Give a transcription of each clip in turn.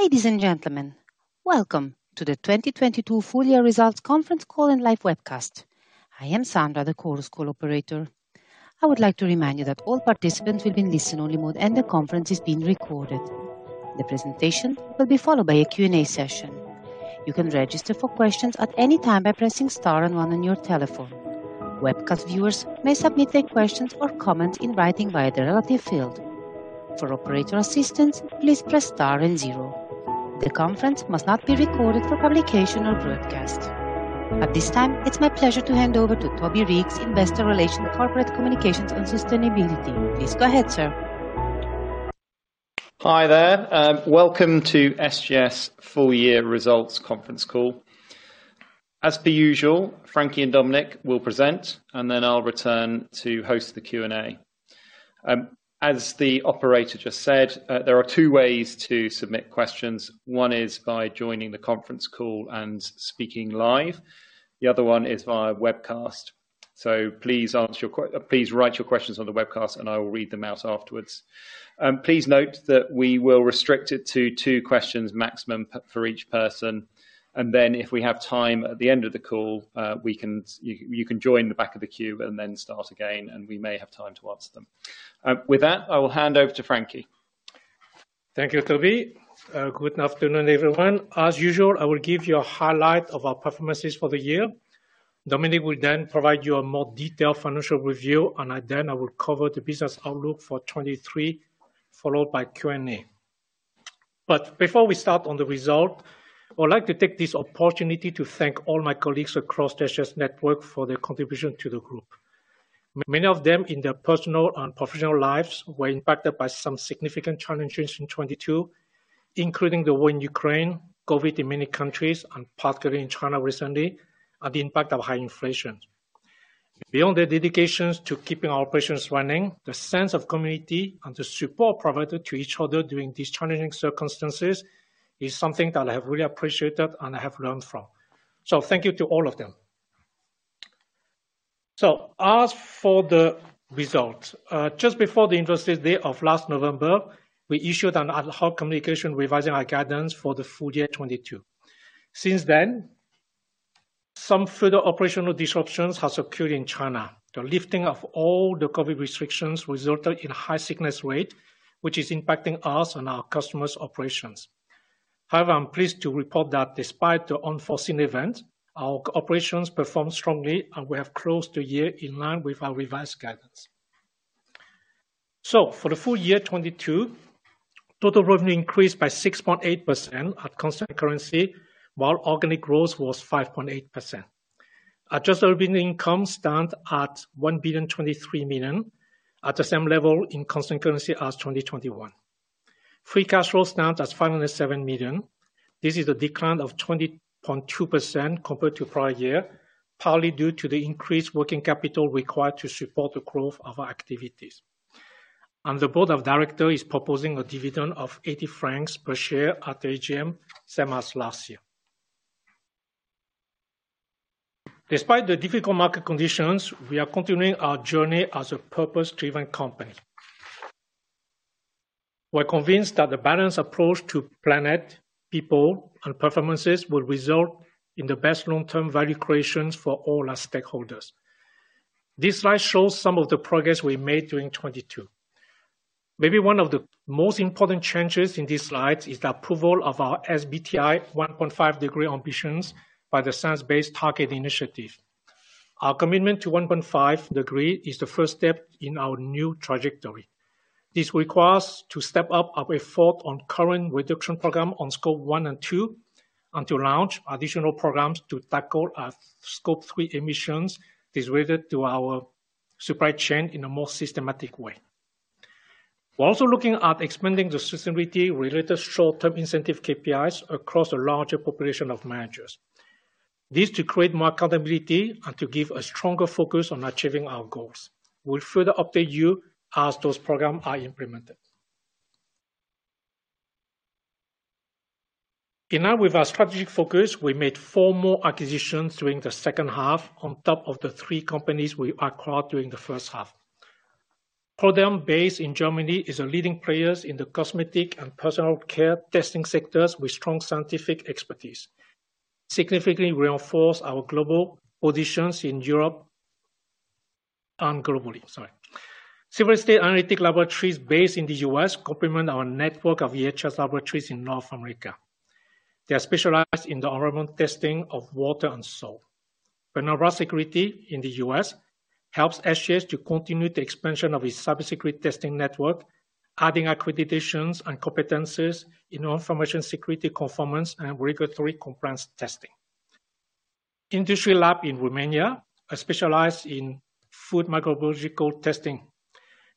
Ladies and gentlemen, welcome to the 2022 full year results conference call and live webcast. I am Sandra, the Chorus Call operator. I would like to remind you that all participants will be in listen-only mode and the conference is being recorded. The presentation will be followed by a Q&A session. You can register for questions at any time by pressing star one on your telephone. Webcast viewers may submit their questions or comments in writing via the relative field. For operator assistance, please press star zero. The conference must not be recorded for publication or broadcast. At this time, it's my pleasure to hand over to Toby Reeks, Investor Relations, Corporate Communications and Sustainability. Please go ahead, sir. Hi there. Welcome to SGS full year results conference call. As per usual, Frankie and Dominik will present. I'll return to host the Q&A. As the operator just said, there are two ways to submit questions. One is by joining the conference call and speaking live. The other one is via webcast. Please write your questions on the webcast and I will read them out afterwards. Please note that we will restrict it to two questions maximum for each person. If we have time at the end of the call, you can join the back of the queue and start again, and we may have time to answer them. With that, I will hand over to Frankie. Thank you, Toby. Good afternoon, everyone. As usual, I will give you a highlight of our performances for the year. Dominik will then provide you a more detailed financial review, and then I will cover the business outlook for 2023, followed by Q&A. Before we start on the result, I would like to take this opportunity to thank all my colleagues across the SGS network for their contribution to the group. Many of them in their personal and professional lives were impacted by some significant challenges in 2022, including the war in Ukraine, COVID in many countries, and particularly in China recently, and the impact of high inflation. Beyond their dedications to keeping our operations running, the sense of community and the support provided to each other during these challenging circumstances is something that I have really appreciated and I have learned from. Thank you to all of them. As for the results, just before the Investors Day of last November, we issued an ad hoc communication revising our guidance for the full year 2022. Since then, some further operational disruptions have occurred in China. The lifting of all the COVID restrictions resulted in high sickness rate, which is impacting us and our customers' operations. However, I'm pleased to report that despite the unforeseen event, our operations performed strongly, and we have closed the year in line with our revised guidance. For the full year 2022, total revenue increased by 6.8% at constant currency, while organic growth was 5.8%. Adjusted operating income stand at 1.023 billion at the same level in constant currency as 2021. Free cash flow stands at 507 million. This is a decline of 20.2% compared to prior year, partly due to the increased working capital required to support the growth of our activities. The board of director is proposing a dividend of 80 francs per share at AGM, same as last year. Despite the difficult market conditions, we are continuing our journey as a purpose-driven company. We're convinced that the balanced approach to planet, people, and performances will result in the best long-term value creations for all our stakeholders. This slide shows some of the progress we made during 2022. Maybe one of the most important changes in this slide is the approval of our SBTi 1.5 degree ambitions by the Science Based Targets initiative. Our commitment to 1.5 degree is the first step in our new trajectory. This requires to step up our effort on current reduction program on Scope 1 and 2, and to launch additional programs to tackle our Scope 3 emissions is related to our supply chain in a more systematic way. We're also looking at expanding the sustainability-related short-term incentive KPIs across a larger population of managers. This to create more accountability and to give a stronger focus on achieving our goals. We'll further update you as those programs are implemented. In line with our strategic focus, we made four more acquisitions during the second half on top of the three companies we acquired during the first half. proderm, based in Germany, is a leading players in the cosmetic and personal care testing sectors with strong scientific expertise. Significantly reinforce our global positions in Europe and globally. Sorry. Silver State Analytical Laboratories, based in the U.S., complement our network of EHS laboratories in North America. They are specialized in the environment testing of water and soil. Penetria Security in the U.S. helps SGS to continue the expansion of its cybersecurity testing network, adding accreditations and competences in information security conformance and regulatory compliance testing. Industry Lab in Romania are specialized in food microbiological testing.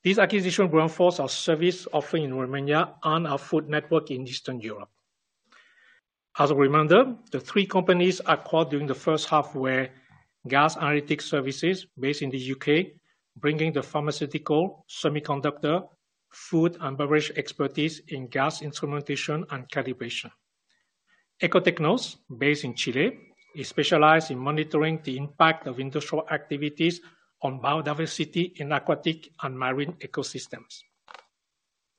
These acquisition reinforce our service offering in Romania and our food network in Eastern Europe. As a reminder, the three companies acquired during the first half were Gas Analysis Services, based in the UK, bringing the pharmaceutical, semiconductor, food and beverage expertise in gas instrumentation and calibration. Ecotecnos, based in Chile, is specialized in monitoring the impact of industrial activities on biodiversity in aquatic and marine ecosystems.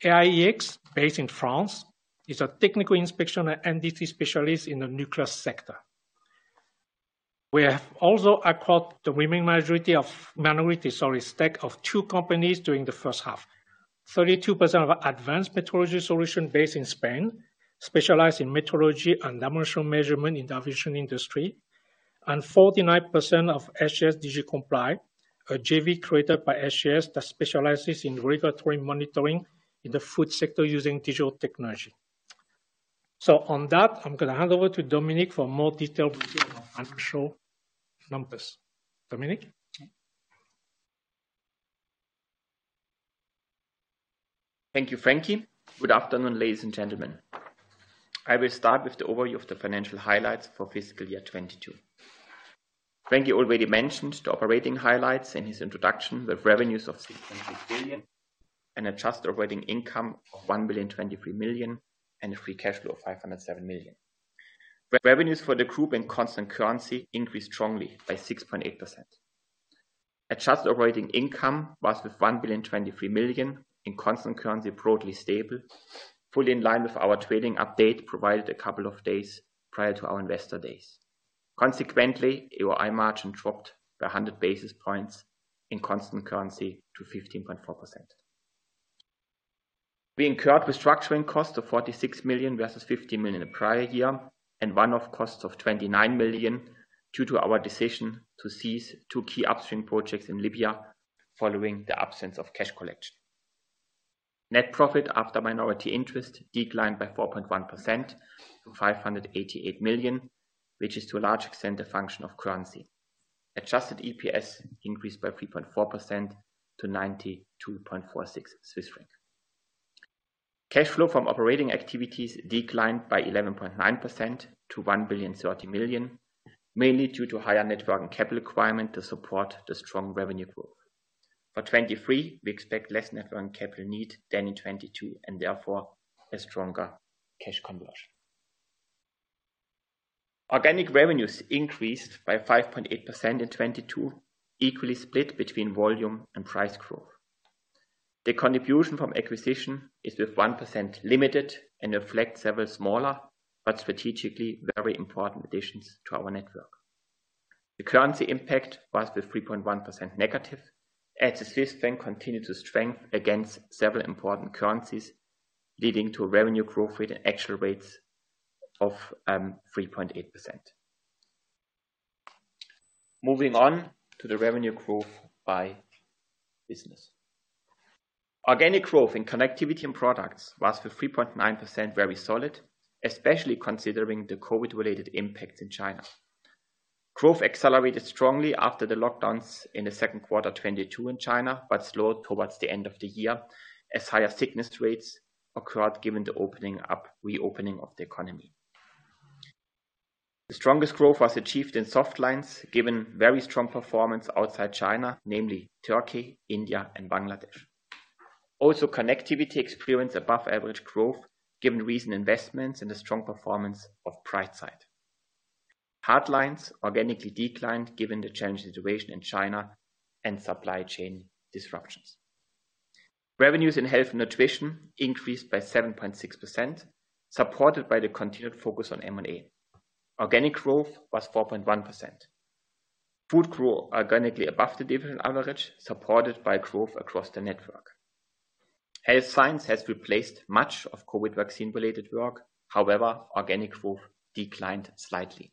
AIEX, based in France, is a technical inspection and NDT specialist in the nuclear sector. We have also acquired the remaining minority, sorry, stake of two companies during the first half. 32% of Advanced Metrology Solutions based in Spain, specialized in metrology and dimensional measurement in the aviation industry. 49% of SGS Digicomply, a JV created by SGS that specializes in regulatory monitoring in the food sector using digital technology. On that, I'm gonna hand over to Dominik for more detailed financial numbers. Dominik? Thank you, Frankie. Good afternoon, ladies and gentlemen. I will start with the overview of the financial highlights for fiscal year 2022. Frankie already mentioned the operating highlights in his introduction, with revenues of 6.3 billion and adjusted operating income of 1.023 billion, and a free cash flow of 507 million. Revenues for the group in constant currency increased strongly by 6.8%. Adjusted operating income was, with 1.023 billion, in constant currency broadly stable, fully in line with our trading update provided a couple of days prior to our Investor Days. Consequently, AOI margin dropped by 100 basis points in constant currency to 15.4%. We incurred restructuring costs of 46 million versus 50 million the prior year, and one-off costs of 29 million due to our decision to cease two key upstream projects in Libya following the absence of cash collection. Net profit after minority interest declined by 4.1% to 588 million, which is to a large extent a function of currency. Adjusted EPS increased by 3.4% to 92.46 Swiss franc. Cash flow from operating activities declined by 11.9% to 1,030 million, mainly due to higher net working capital requirement to support the strong revenue growth. For 2023, we expect less net working capital need than in 2022 and therefore a stronger cash conversion. Organic revenues increased by 5.8% in 2022, equally split between volume and price growth. The contribution from acquisition is with 1% limited and reflect several smaller, but strategically very important additions to our network. The currency impact was the 3.1% negative, as the Swiss franc continued to strengthen against several important currencies, leading to a revenue growth rate at actual rates of 3.8%. Moving on to the revenue growth by business. Organic growth in Connectivity and Products was, with 3.9%, very solid, especially considering the COVID-related impact in China. Growth accelerated strongly after the lockdowns in the second quarter 2022 in China, but slowed towards the end of the year as higher sickness rates occurred given the reopening of the economy. The strongest growth was achieved in soft lines, given very strong performance outside China, namely Turkey, India, and Bangladesh. Connectivity experienced above average growth given recent investments and the strong performance of PriceRight. Hard lines organically declined given the challenging situation in China and supply chain disruptions. Revenues in Health & Nutrition increased by 7.6%, supported by the continued focus on M&A. Organic growth was 4.1%. Food grew organically above the division average, supported by growth across the network. Health science has replaced much of COVID vaccine-related work. However, organic growth declined slightly.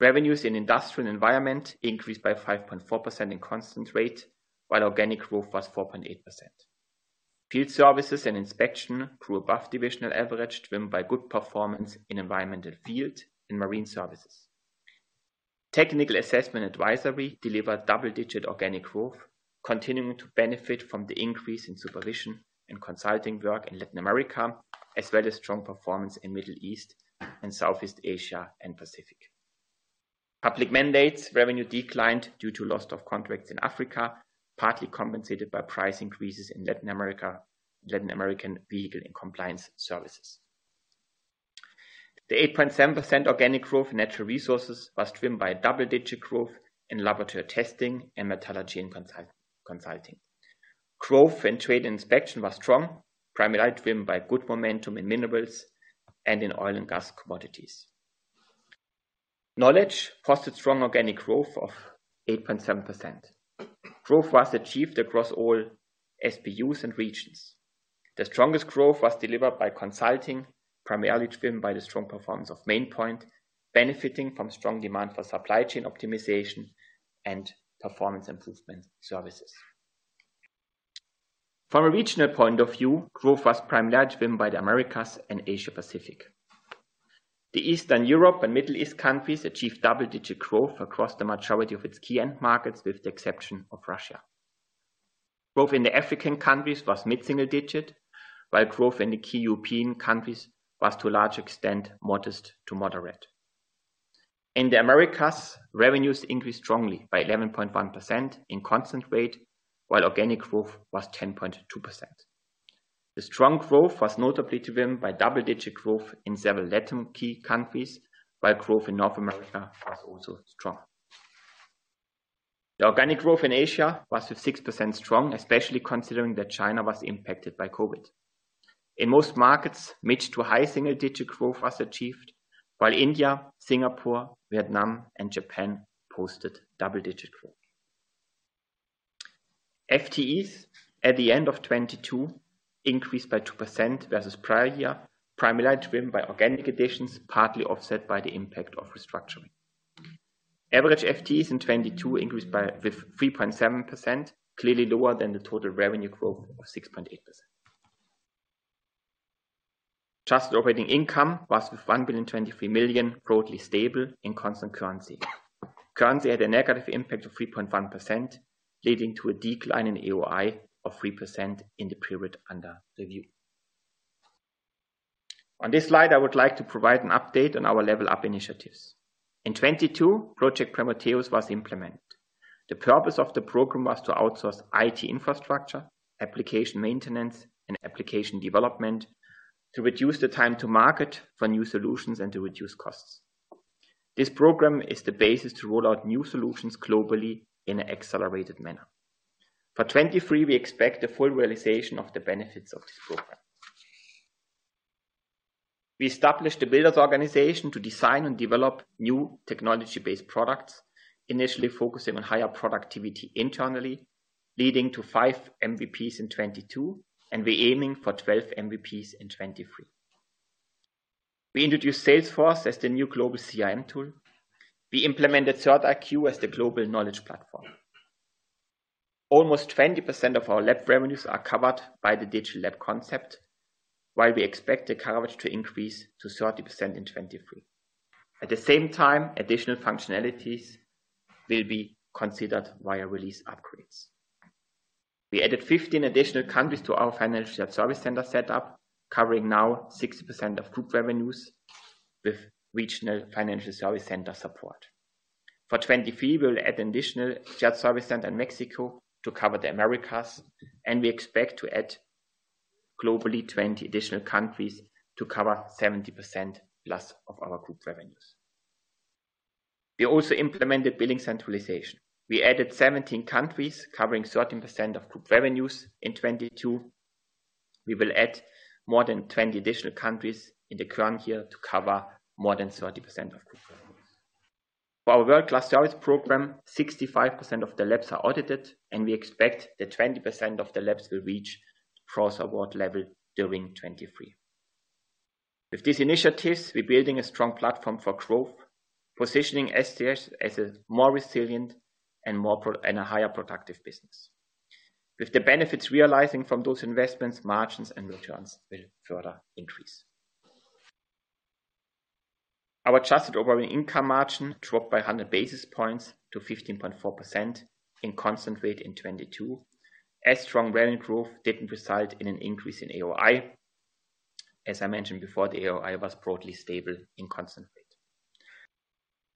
Revenues in Industries & Environment increased by 5.4% in constant rate, while organic growth was 4.8%. Field services and inspection grew above divisional average, driven by good performance in environmental field and marine services. Technical assessment advisory delivered double-digit organic growth, continuing to benefit from the increase in supervision and consulting work in Latin America, as well as strong performance in Middle East and Southeast Asia and Pacific. Public mandates revenue declined due to loss of contracts in Africa, partly compensated by price increases in Latin American vehicle and compliance services. The 8.7% organic growth in Natural Resources was driven by double-digit growth in laboratory testing and metallurgy and consulting. Growth in trade inspection was strong, primarily driven by good momentum in minerals and in oil and gas commodities. Knowledge fostered strong organic growth of 8.7%. Growth was achieved across all SPUs and regions. The strongest growth was delivered by consulting, primarily driven by the strong performance of Mainpoint, benefiting from strong demand for supply chain optimization and performance improvement services. From a regional point of view, growth was primarily driven by the Americas and Asia Pacific. The Eastern Europe and Middle East countries achieved double-digit growth across the majority of its key end markets, with the exception of Russia. Growth in the African countries was mid-single digit, while growth in the key European countries was to a large extent modest to moderate. In the Americas, revenues increased strongly by 11.1% in constant rate, while organic growth was 10.2%. The strong growth was notably driven by double-digit growth in several Latin key countries, while growth in North America was also strong. The organic growth in Asia was at 6% strong, especially considering that China was impacted by COVID. In most markets, mid to high single-digit growth was achieved, while India, Singapore, Vietnam and Japan posted double-digit growth. FTEs at the end of 2022 increased by 2% versus prior year, primarily driven by organic additions, partly offset by the impact of restructuring. Average FTEs in 2022 increased by, with 3.7%, clearly lower than the total revenue growth of 6.8%. Trust operating income was with 1,023 million, broadly stable in constant currency. Currency had a negative impact of 3.1%, leading to a decline in AOI of 3% in the period under review. On this slide, I would like to provide an update on our Level Up initiatives. In 2022, Project Prometheus was implemented. The purpose of the program was to outsource IT infrastructure, application maintenance and application development to reduce the time to market for new solutions and to reduce costs. This program is the basis to roll out new solutions globally in an accelerated manner. For 2023, we expect the full realization of the benefits of this program. We established the Builders Organization to design and develop new technology-based products, initially focusing on higher productivity internally, leading to 5 MVPs in 2022, and we're aiming for 12 MVPs in 2023. We introduced Salesforce as the new global CIM tool. We implemented CertIQ as the global Knowledge platform. Almost 20% of our lab revenues are covered by the digital lab concept, while we expect the coverage to increase to 30% in 2023. At the same time, additional functionalities will be considered via release upgrades. We added 15 additional countries to our financial service center set up, covering now 60% of group revenues with regional financial service center support. For 2023, we'll add an additional shared service center in Mexico to cover the Americas, we expect to add globally 20 additional countries to cover 70%+ of our group revenues. We also implemented billing centralization. We added 17 countries covering 13% of group revenues in 2022. We will add more than 20 additional countries in the current year to cover more than 30% of group revenues. For our World Class Services program, 65% of the labs are audited, we expect that 20% of the labs will reach Bronze Award level during 2023. With these initiatives, we're building a strong platform for growth, positioning SGS as a more resilient and more and a higher productive business. With the benefits realizing from those investments, margins and returns will further increase. Our adjusted operating income margin dropped by 100 basis points to 15.4% in constant rate in 2022, as strong revenue growth didn't result in an increase in AOI. As I mentioned before, the AOI was broadly stable in constant rate.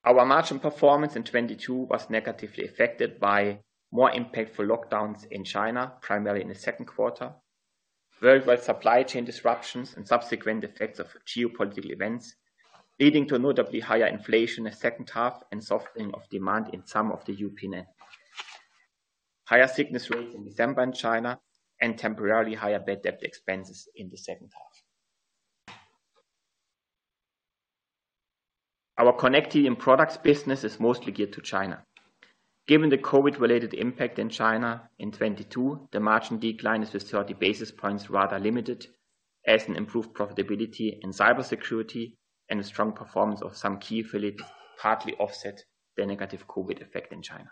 Our margin performance in 2022 was negatively affected by more impactful lockdowns in China, primarily in the second quarter. Worldwide supply chain disruptions and subsequent effects of geopolitical events, leading to notably higher inflation in the second half and softening of demand in some of the European markets. Higher sickness rates in December in China and temporarily higher bad debt expenses in the second half. Our Connectivity & Products business is mostly geared to China. Given the COVID-related impact in China in 2022, the margin decline is with 30 basis points rather limited as an improved profitability in cybersecurity and a strong performance of some key affiliates partly offset the negative COVID effect in China.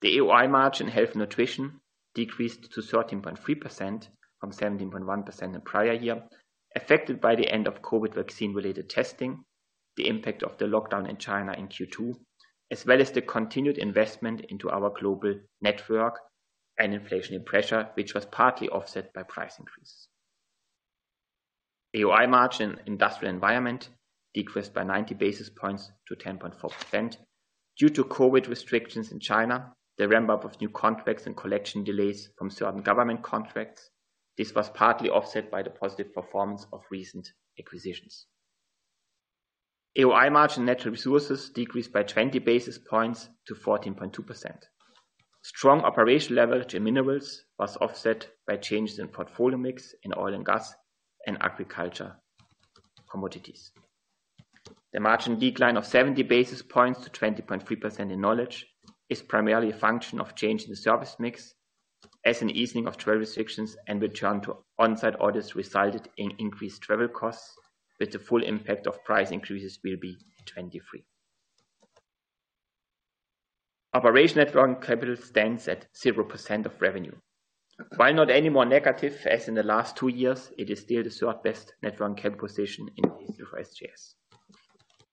The AOI margin in Health & Nutrition decreased to 13.3% from 17.1% the prior year, affected by the end of COVID vaccine-related testing, the impact of the lockdown in China in Q2, as well as the continued investment into our global network and inflation pressure, which was partly offset by price increases. AOI margin Industries & Environment decreased by 90 basis points to 10.4% due to COVID restrictions in China, the ramp-up of new contracts and collection delays from certain government contracts. This was partly offset by the positive performance of recent acquisitions. AOI margin Natural Resources decreased by 20 basis points to 14.2%. Strong operational leverage in minerals was offset by changes in portfolio mix in oil and gas and agriculture commodities. The margin decline of 70 basis points to 20.3% in Knowledge is primarily a function of change in the service mix as an easing of travel restrictions and return to on-site orders resulted in increased travel costs, with the full impact of price increases will be in 2023. Operation net working capital stands at 0% of revenue. While not any more negative as in the last two years, it is still the third best net working capital position in the history of SGS.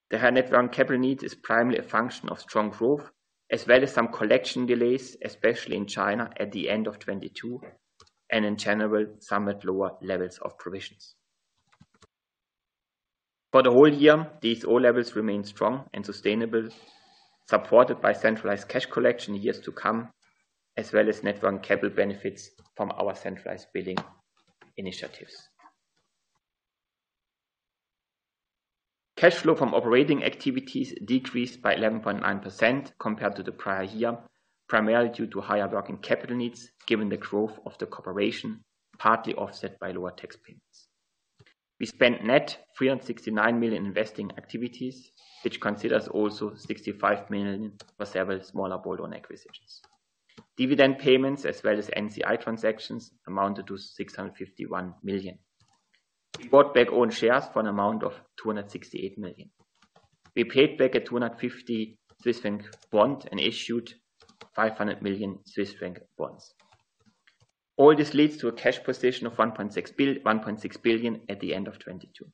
The high net working capital need is primarily a function of strong growth as well as some collection delays, especially in China at the end of 2022. In general, somewhat lower levels of provisions. For the whole year, these all levels remain strong and sustainable, supported by centralized cash collection years to come, as well as net working capital benefits from our centralized billing initiatives. Cash flow from operating activities decreased by 11.9% compared to the prior year, primarily due to higher working capital needs, given the growth of the corporation, partly offset by lower tax payments. We spent net 369 million investing activities, which considers also 65 million for several smaller bolt-on acquisitions. Dividend payments as well as NCI transactions amounted to 651 million. We bought back own shares for an amount of 268 million. We paid back a 250 Swiss franc bond and issued 500 million Swiss franc bonds. All this leads to a cash position of 1.6 billion at the end of 2022.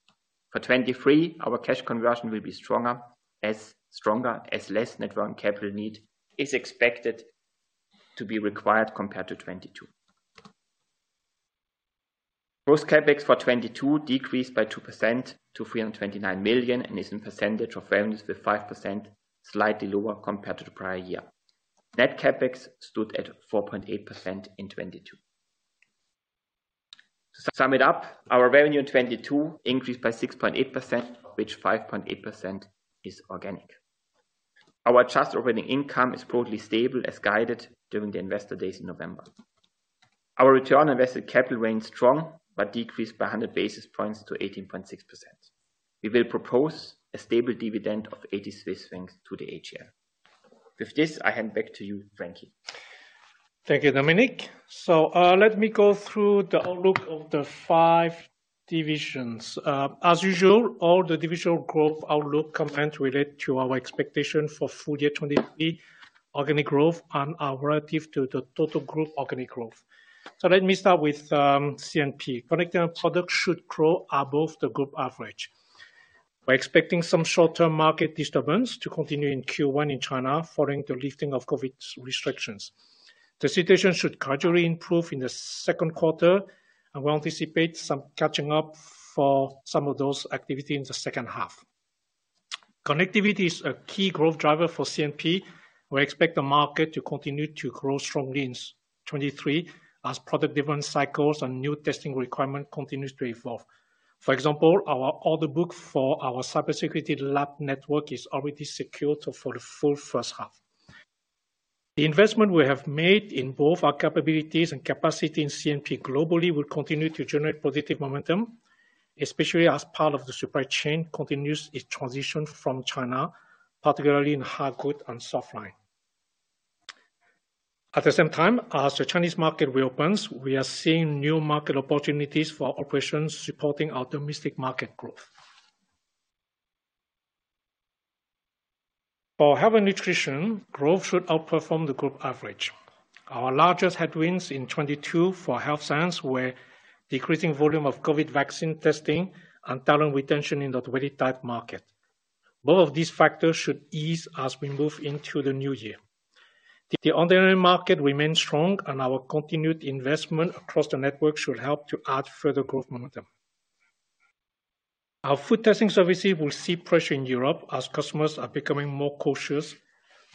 For 2023, our cash conversion will be stronger as less net working capital need is expected to be required compared to 2022. Gross CapEx for 2022 decreased by 2% to 329 million, and is in percentage of revenues with 5%, slightly lower compared to the prior year. Net CapEx stood at 4.8% in 2022. To sum it up, our revenue in 2022 increased by 6.8%, which 5.8% is organic. Our adjusted operating income is broadly stable as guided during the Investor Days in November. Our return on invested capital remained strong, but decreased by 100 basis points to 18.6%. We will propose a stable dividend of 80 Swiss francs to the AGM. With this, I hand back to you, Frankie. Thank you, Dominik. Let me go through the outlook of the five divisions. As usual, all the divisional group outlook compared to relate to our expectation for full year 2023 organic growth and are relative to the total group organic growth. Let me start with CMP. Connecting products should grow above the group average. We're expecting some short-term market disturbance to continue in Q1 in China following the lifting of COVID restrictions. The situation should gradually improve in the second quarter, and we anticipate some catching up for some of those activity in the second half. Connectivity is a key growth driver for CMP. We expect the market to continue to grow strongly in 2023 as product development cycles and new testing requirement continues to evolve. For example, our order book for our cybersecurity lab network is already secured for the full first half. The investment we have made in both our capabilities and capacity in CMP globally will continue to generate positive momentum, especially as part of the supply chain continues its transition from China, particularly in hard good and soft line. At the same time, as the Chinese market reopens, we are seeing new market opportunities for operations supporting our domestic market growth. For Health & Nutrition, growth should outperform the group average. Our largest headwinds in 22 for health science were decreasing volume of COVID vaccine testing and talent retention in the very tight market. Both of these factors should ease as we move into the new year. The underlying market remains strong and our continued investment across the network should help to add further growth momentum. Our food testing services will see pressure in Europe as customers are becoming more cautious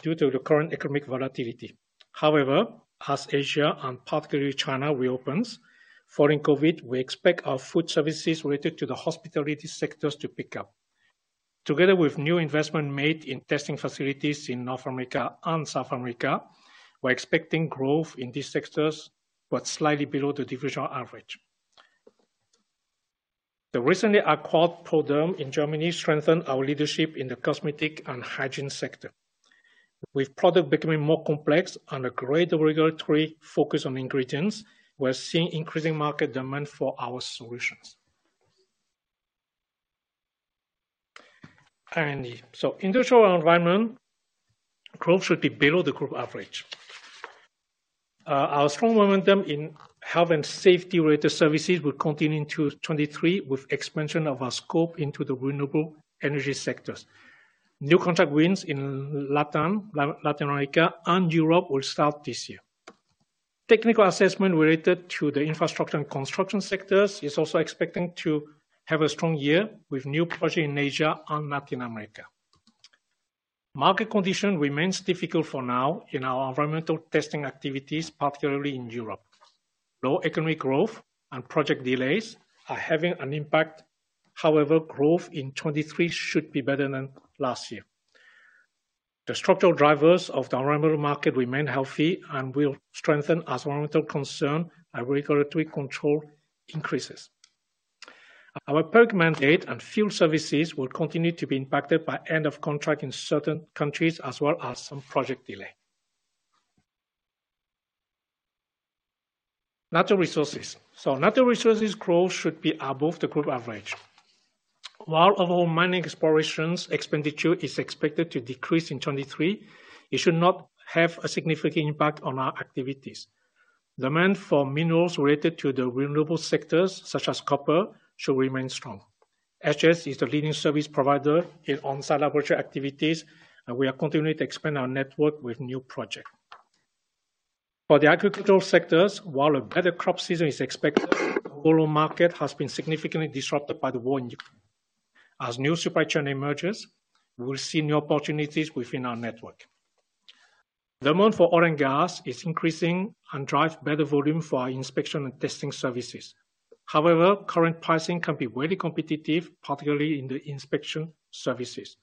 due to the current economic volatility. However, as Asia and particularly China reopens, following COVID, we expect our food services related to the hospitality sectors to pick up. Together with new investment made in testing facilities in North America and South America, we're expecting growth in these sectors, but slightly below the divisional average. The recently acquired proderm in Germany strengthened our leadership in the cosmetic and hygiene sector. With product becoming more complex and a greater regulatory focus on ingredients, we're seeing increasing market demand for our solutions. Industries & Environment growth should be below the group average. Our strong momentum in health and safety-related services will continue into 23 with expansion of our scope into the renewable energy sectors. New contract wins in LatAm, Latin America, and Europe will start this year. Technical assessment related to the infrastructure and construction sectors is also expecting to have a strong year with new project in Asia and Latin America. Market condition remains difficult for now in our environmental testing activities, particularly in Europe. Low economic growth and project delays are having an impact. However, growth in 2023 should be better than last year. The structural drivers of the environmental market remain healthy and will strengthen as environmental concern and regulatory control increases. Our perk mandate and fuel services will continue to be impacted by end of contract in certain countries, as well as some project delay. Natural Resources. Natural Resources growth should be above the group average. While overall mining explorations expenditure is expected to decrease in 2023, it should not have a significant impact on our activities. Demand for minerals related to the renewable sectors, such as copper, should remain strong. SGS is the leading service provider in on-site laboratory activities, and we are continuing to expand our network with new project. For the agricultural sectors, while a better crop season is expected, global market has been significantly disrupted by the war in Ukraine. As new supply chain emerges, we will see new opportunities within our network. Demand for oil and gas is increasing and drive better volume for our inspection and testing services. However, current pricing can be very competitive, particularly in the inspection services.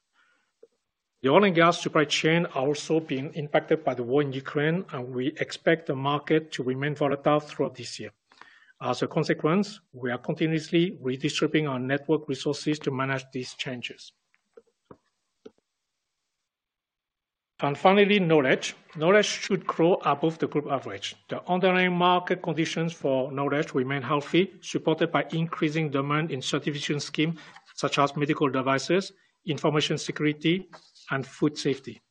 The oil and gas supply chain are also being impacted by the war in Ukraine, and we expect the market to remain volatile throughout this year. As a consequence, we are continuously redistributing our network resources to manage these changes. Finally, Knowledge. Knowledge should grow above the group average. The underlying market conditions for Knowledge remain healthy, supported by increasing demand in certification scheme such as medical devices, information security, and food safety.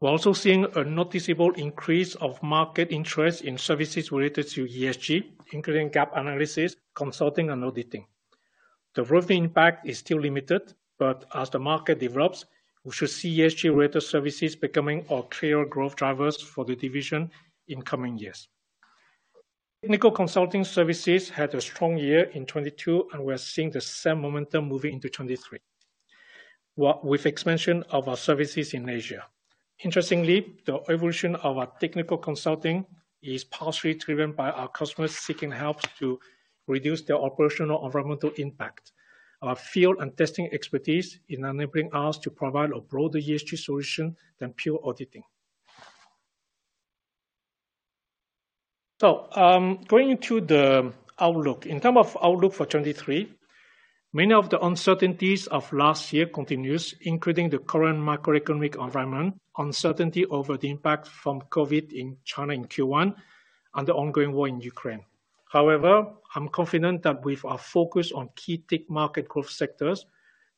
We're also seeing a noticeable increase of market interest in services related to ESG, including gap analysis, consulting, and auditing. The growth impact is still limited, but as the market develops, we should see ESG-related services becoming our clear growth drivers for the division in coming years. Technical consulting services had a strong year in 2022, and we're seeing the same momentum moving into 2023. With expansion of our services in Asia. Interestingly, the evolution of our technical consulting is partially driven by our customers seeking help to reduce their operational environmental impact. Our field and testing expertise in enabling us to provide a broader ESG solution than pure auditing. going to the outlook. In terms of outlook for 2023, many of the uncertainties of last year continue, including the current macroeconomic environment, uncertainty over the impact from COVID in China in Q1, and the ongoing war in Ukraine. However, I'm confident that with our focus on key tech market growth sectors,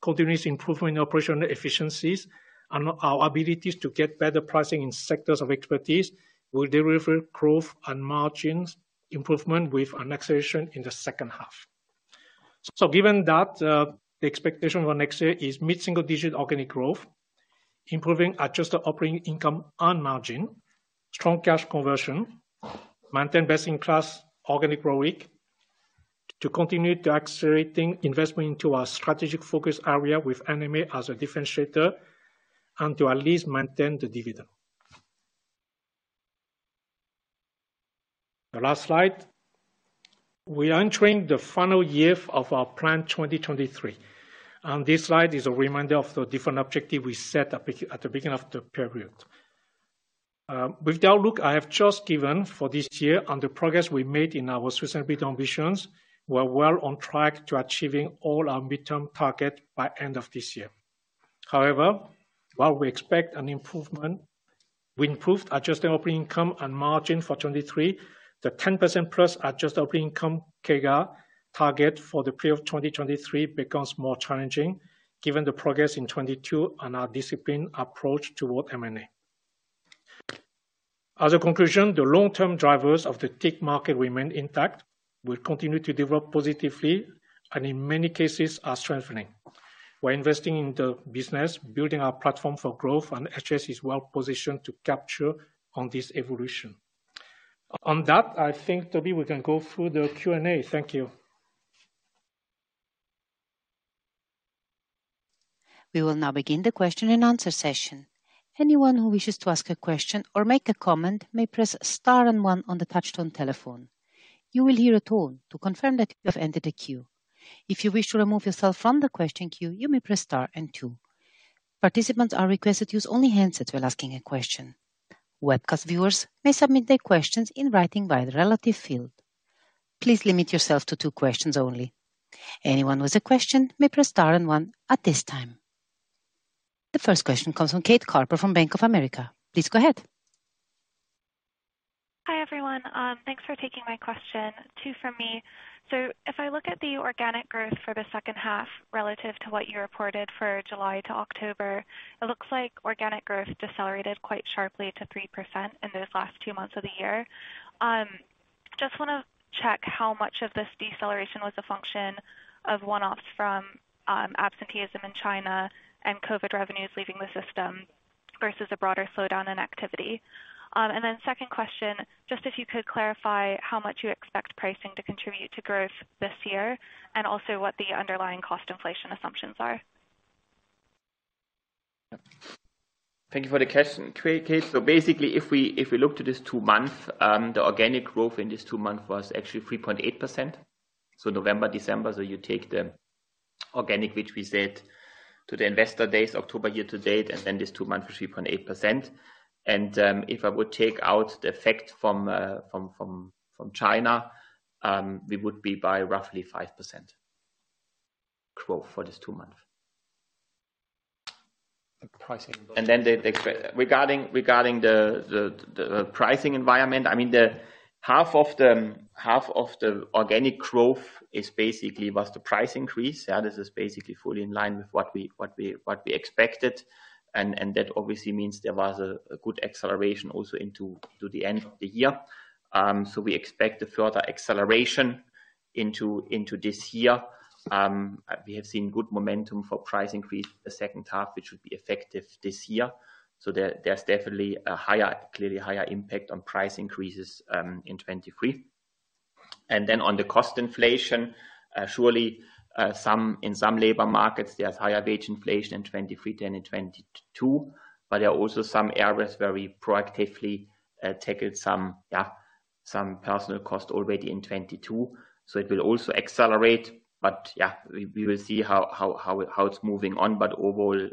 continuous improvement in operational efficiencies, and our abilities to get better pricing in sectors of expertise, will deliver growth and margins improvement with an acceleration in the second half. Given that, the expectation for next year is mid-single digit organic growth, improving adjusted operating income and margin, strong cash conversion, maintain best-in-class organic growth week, to continue to accelerating investment into our strategic focus area with NME as a differentiator, and to at least maintain the dividend. The last slide. We are entering the final year of our plan 2023, this slide is a reminder of the different objective we set up at the beginning of the period. With the outlook I have just given for this year and the progress we made in our strategic ambitions, we're well on track to achieving all our midterm target by end of this year. However, while we expect an improvement, we improved adjusted operating income and margin for '23. The 10% plus adjusted operating income CAGR target for the period of 2023 becomes more challenging given the progress in '22 and our disciplined approach toward M&A. As a conclusion, the long-term drivers of the tech market remain intact, will continue to develop positively, and in many cases are strengthening. We're investing in the business, building our platform for growth, and HS is well positioned to capture on this evolution. On that, I think, Toby, we can go through the Q&A. Thank you. We will now begin the question and answer session. Anyone who wishes to ask a question or make a comment may press star and one on the touch-tone telephone. You will hear a tone to confirm that you have entered a queue. If you wish to remove yourself from the question queue, you may press star and two. Participants are requested to use only handsets while asking a question. Webcast viewers may submit their questions in writing via the relative field. Please limit yourself to two questions only. Anyone with a question may press star and one at this time. The first question comes from Kate Carter from Bank of America. Please go ahead. Hi, everyone. Thanks for taking my question. Two from me. If I look at the organic growth for the second half relative to what you reported for July to October, it looks like organic growth decelerated quite sharply to 3% in those last two months of the year. Just want to check how much of this deceleration was a function of one-offs from absenteeism in China and COVID revenues leaving the system versus a broader slowdown in activity. Second question, just if you could clarify how much you expect pricing to contribute to growth this year, and also what the underlying cost inflation assumptions are. Thank you for the question, Kate. Basically, if we look to this two month, the organic growth in this two month was actually 3.8%. November, December. You take the organic, which we said to the Investor Days October year-to-date, and then this 2 month was 3.8%. If I would take out the effect from China, we would be by roughly 5% growth for this 2 month. The pricing- Regarding the pricing environment. I mean the half of the organic growth is basically was the price increase. This is basically fully in line with what we expected. That obviously means there was a good acceleration also into the end of the year. We expect a further acceleration into this year. We have seen good momentum for price increase the second half, which would be effective this year. There's definitely a higher, clearly higher impact on price increases in 2023. On the cost inflation, surely, in some labor markets there's higher wage inflation in 2023 than in 2022. There are also some areas where we proactively tackled some, yeah, some personal cost already in 2022. It will also accelerate. Yeah, we will see how it's moving on. Overall,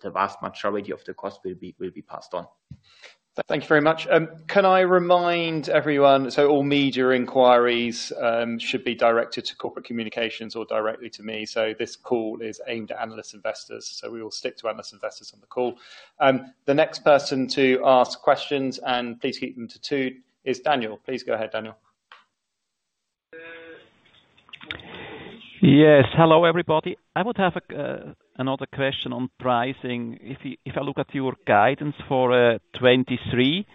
the vast majority of the cost will be passed on. Thank you very much. Can I remind everyone, all media inquiries should be directed to corporate communications or directly to me. This call is aimed at analyst investors, so we will stick to analyst investors on the call. The next person to ask questions, and please keep them to two, is Daniel. Please go ahead, Daniel. Yes. Hello, everybody. I would have another question on pricing. If I look at your guidance for 2023,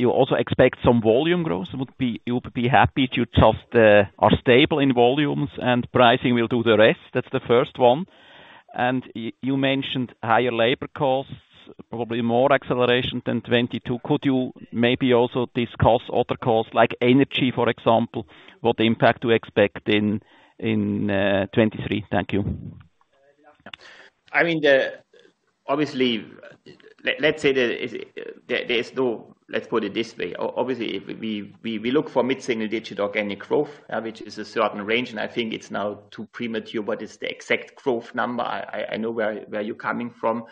you also expect some volume growth? You would be happy to trust our stable in volumes and pricing will do the rest. That's the first one. You mentioned higher labor costs, probably more acceleration than 2022. Could you maybe also discuss other costs, like energy, for example, what impact to expect in 2023? Thank you. I mean, obviously, let's say that there is no. Let's put it this way. Obviously, we look for mid-single digit organic growth, which is a certain range, and I think it's now too premature what is the exact growth number. I know where you're coming from,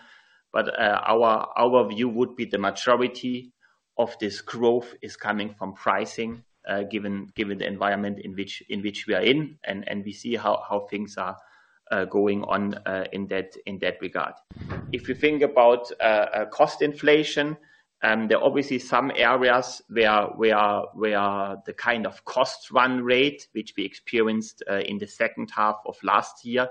but our view would be the majority of this growth is coming from pricing, given the environment in which we are in, and we see how things are going on in that regard. If you think about cost inflation, there are obviously some areas where the kind of cost run rate which we experienced in the second half of last year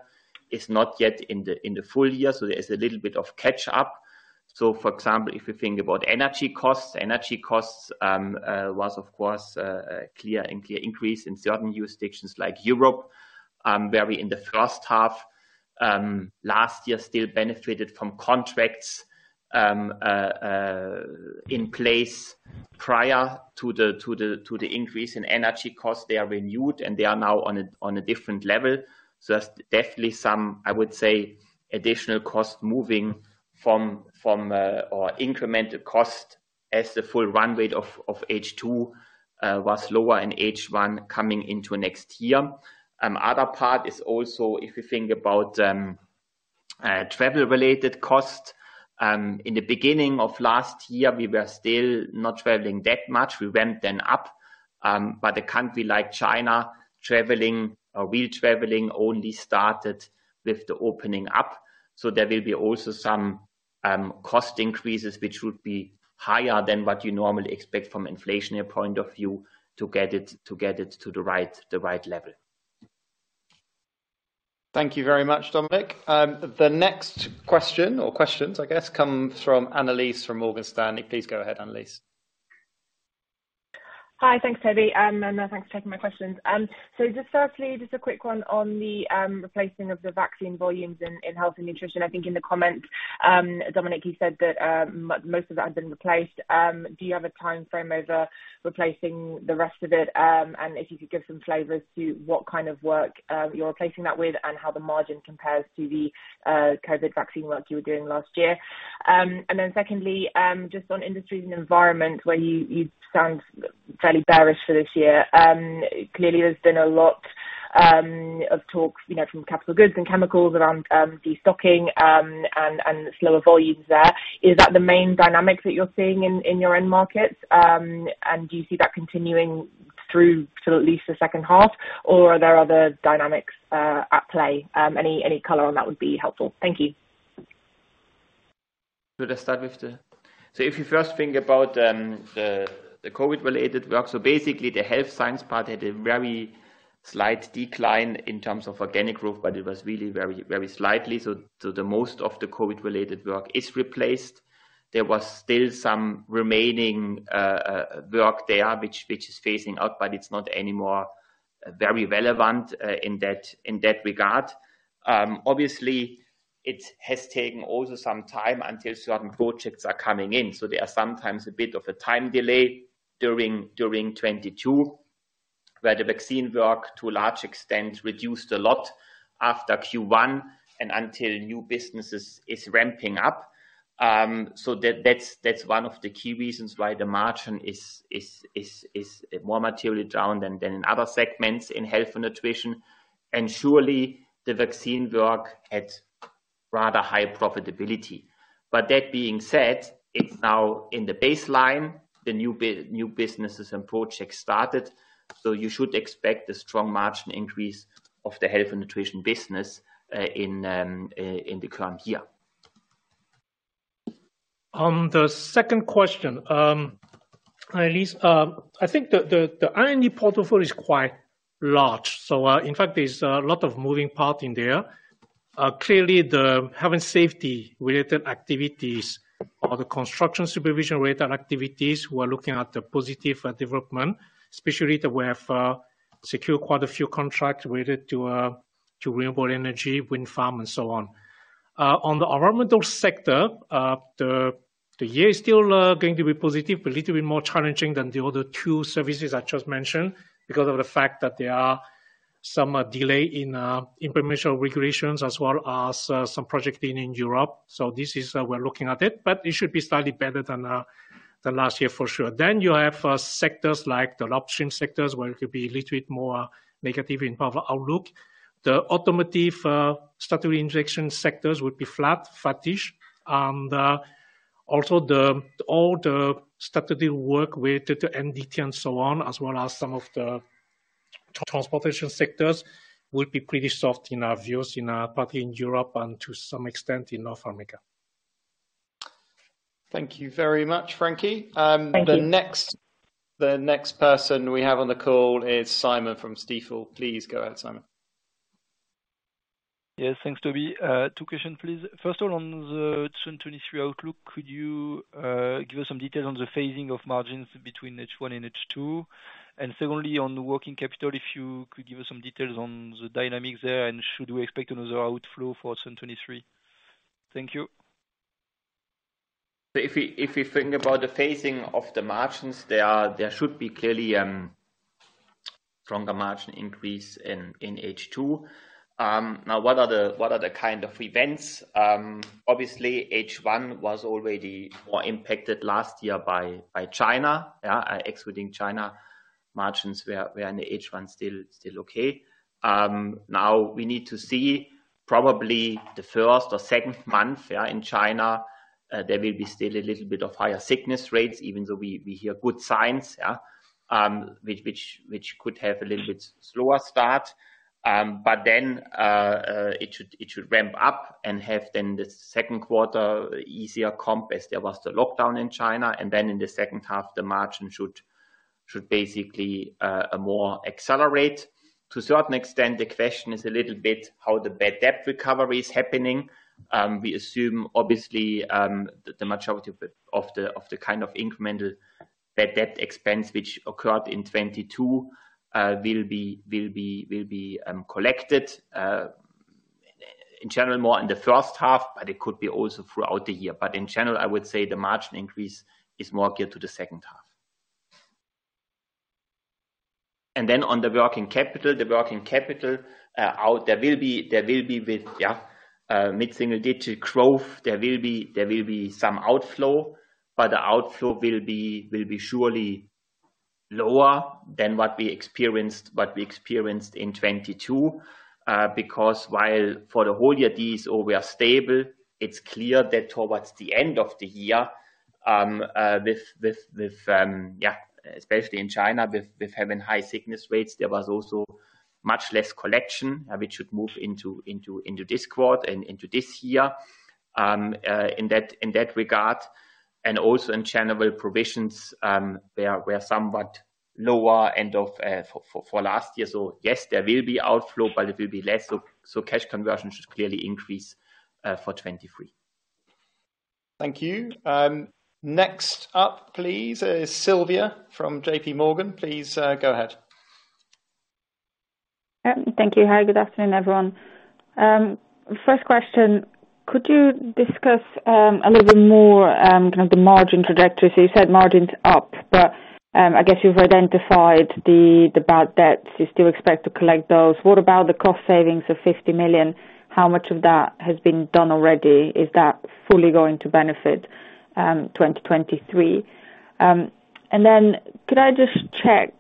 is not yet in the full year, so there is a little bit of catch up. For example, if we think about energy costs, energy costs was of course a clear increase in certain jurisdictions like Europe, where we in the first half last year still benefited from contracts in place prior to the increase in energy costs. They are renewed, they are now on a different level. That's definitely some, I would say, additional cost moving from, or incremental cost as the full run rate of H2 was lower in H1 coming into next year. Other part is also if you think about travel-related costs. In the beginning of last year, we were still not traveling that much. We went then up. But a country like China, traveling or wheel traveling only started with the opening up. There will be also some cost increases which would be higher than what you normally expect from inflation point of view to get it to the right level. Thank you very much, Dominik. The next question or questions I guess come from Annelies from Morgan Stanley. Please go ahead, Annelies. Hi. Thanks, Toby. Thanks for taking my questions. Just firstly, just a quick one on the replacing of the vaccine volumes in Health & Nutrition. I think in the comments, Dominik, you said that most of that had been replaced. Do you have a timeframe over replacing the rest of it? If you could give some flavors to what kind of work you're replacing that with and how the margin compares to the COVID vaccine work you were doing last year. Secondly, just on Industries & Environment where you sound fairly bearish for this year. Clearly there's been a lot of talks, you know, from capital goods and chemicals around destocking and slower volumes there. Is that the main dynamics that you're seeing in your end markets? Do you see that continuing through to at least the second half, or are there other dynamics at play? Any color on that would be helpful. Thank you. If you first think about the COVID-related work, basically the health science part had a very slight decline in terms of organic growth, but it was really very slightly. The most of the COVID-related work is replaced. There was still some remaining work there which is phasing out, but it's not anymore very relevant in that regard. Obviously it has taken also some time until certain projects are coming in, so there are sometimes a bit of a time delay during 2022, where the vaccine work to a large extent reduced a lot after Q1 and until new businesses is ramping up. That's one of the key reasons why the margin is more materially down than other segments in Health and Nutrition. Surely the vaccine work had rather high profitability. That being said, it's now in the baseline, the new businesses and projects started. You should expect a strong margin increase of the Health & Nutrition business in the current year. On the second question, Annelise, I think the I&E portfolio is quite large. In fact, there's a lot of moving part in there. Clearly the health and safety related activities or the construction supervision related activities, we're looking at the positive development, especially that we have secured quite a few contracts related to. Renewable energy, wind farm, and so on. On the environmental sector, the year is still going to be positive, but a little bit more challenging than the other two services I just mentioned because of the fact that there are some delay in information regulations as well as some project in Europe. This is how we're looking at it, but it should be slightly better than last year for sure. You have sectors like the adoption sectors, where it could be a little bit more negative in power outlook. The automotive, statutory injection sectors would be flat, flattish. Also, all the strategic work with the NDT and so on, as well as some of the transportation sectors will be pretty soft in our views, in particularly in Europe and to some extent in North America. Thank you very much, Frankie. Thank you. The next person we have on the call is Simon from Stifel. Please go ahead, Simon. Yes. Thanks, Toby. 2 question, please. First all, on the 2023 outlook, could you give us some details on the phasing of margins between H1 and H2? Secondly, on the working capital, if you could give us some details on the dynamics there, and should we expect another outflow for 2023? Thank you. If we think about the phasing of the margins, there should be clearly stronger margin increase in H2. What are the kind of events? Obviously H1 was already more impacted last year by China. Excluding China margins were in H1 still okay. We need to see probably the first or second month in China, there will be still a little bit of higher sickness rates even though we hear good signs. Which could have a little bit slower start. It should ramp up and have then the second quarter easier comp as there was the lockdown in China. In the second half, the margin should basically more accelerate. To certain extent, the question is a little bit how the bad debt recovery is happening. We assume obviously, the majority of the kind of incremental bad debt expense which occurred in 2022, will be collected, in general more in the first half, but it could be also throughout the year. In general, I would say the margin increase is more geared to the second half. On the working capital. The working capital there will be with mid-single digit growth. There will be some outflow, but the outflow will be surely lower than what we experienced in 2022. Because while for the whole year DSO we are stable, it's clear that towards the end of the year, with especially in China with having high sickness rates, there was also much less collection, which should move into this quarter and into this year in that regard. Also in general provisions were somewhat lower end for last year. Yes, there will be outflow, but it will be less so. Cash conversion should clearly increase for 23. Thank you. Next up, please, is Sylvia from J.P. Morgan. Please, go ahead. Thank you. Hi, good afternoon, everyone. First question, could you discuss a little bit more kind of the margin trajectory? You said margin's up, but, I guess you've identified the bad debts. You still expect to collect those. What about the cost savings of 50 million? How much of that has been done already? Is that fully going to benefit 2023? Could I just check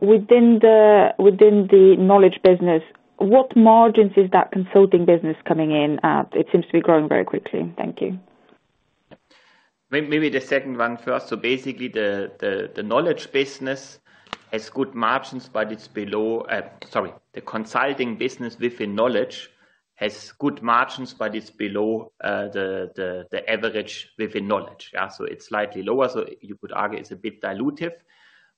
within the Knowledge business, what margins is that consulting business coming in at? It seems to be growing very quickly. Thank you. Maybe the second one first. Basically the Knowledge business has good margins, but it's below. Sorry. The consulting business within Knowledge has good margins, but it's below the average within Knowledge. Yeah. It's slightly lower, so you could argue it's a bit dilutive.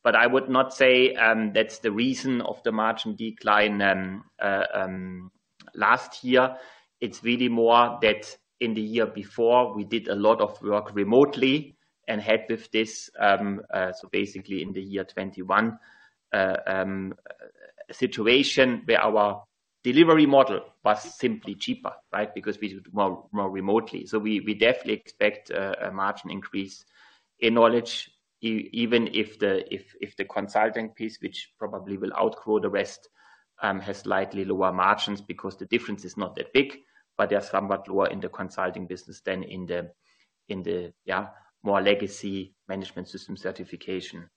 I would not say that's the reason of the margin decline last year. It's really more that in the year before we did a lot of work remotely and had with this, so basically in the year 21, a situation where our delivery model was simply cheaper, right? Because we do it more remotely. We definitely expect a margin increase in Knowledge even if the consulting piece, which probably will outgrow the rest, has slightly lower margins because the difference is not that big, but they are somewhat lower in the consulting business than in the more legacy management system certification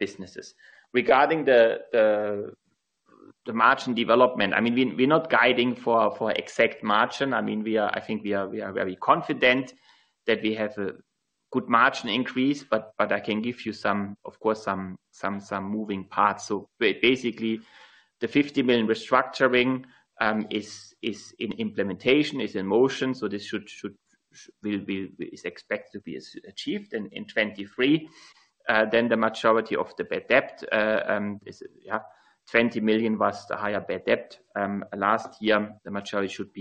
businesses. Regarding the margin development, I mean, we're not guiding for exact margin. I mean, I think we are very confident that we have a good margin increase, but I can give you some, of course, some moving parts. Basically the 50 million restructuring is in implementation, is in motion. This should will be, is expected to be achieved in 2023. The majority of the bad debt is 20 million was the higher bad debt last year. The majority should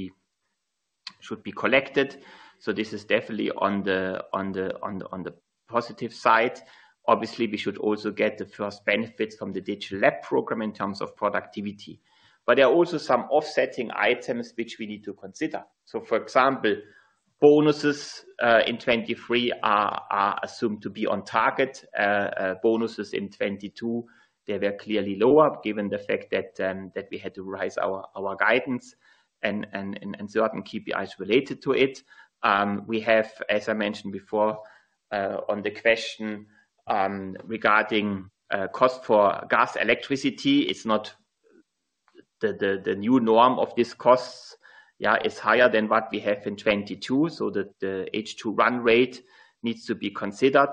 be collected. This is definitely on the positive side. Obviously, we should also get the first benefits from the digital lab program in terms of productivity. There are also some offsetting items which we need to consider. For example, bonuses in 2023 are assumed to be on target. Bonuses in 2022, they were clearly lower given the fact that we had to raise our guidance and certain KPIs related to it. We have, as I mentioned before, on the question regarding cost for gas, electricity, it's not the new norm of these costs. It's higher than what we have in 2022. The H2 run rate needs to be considered.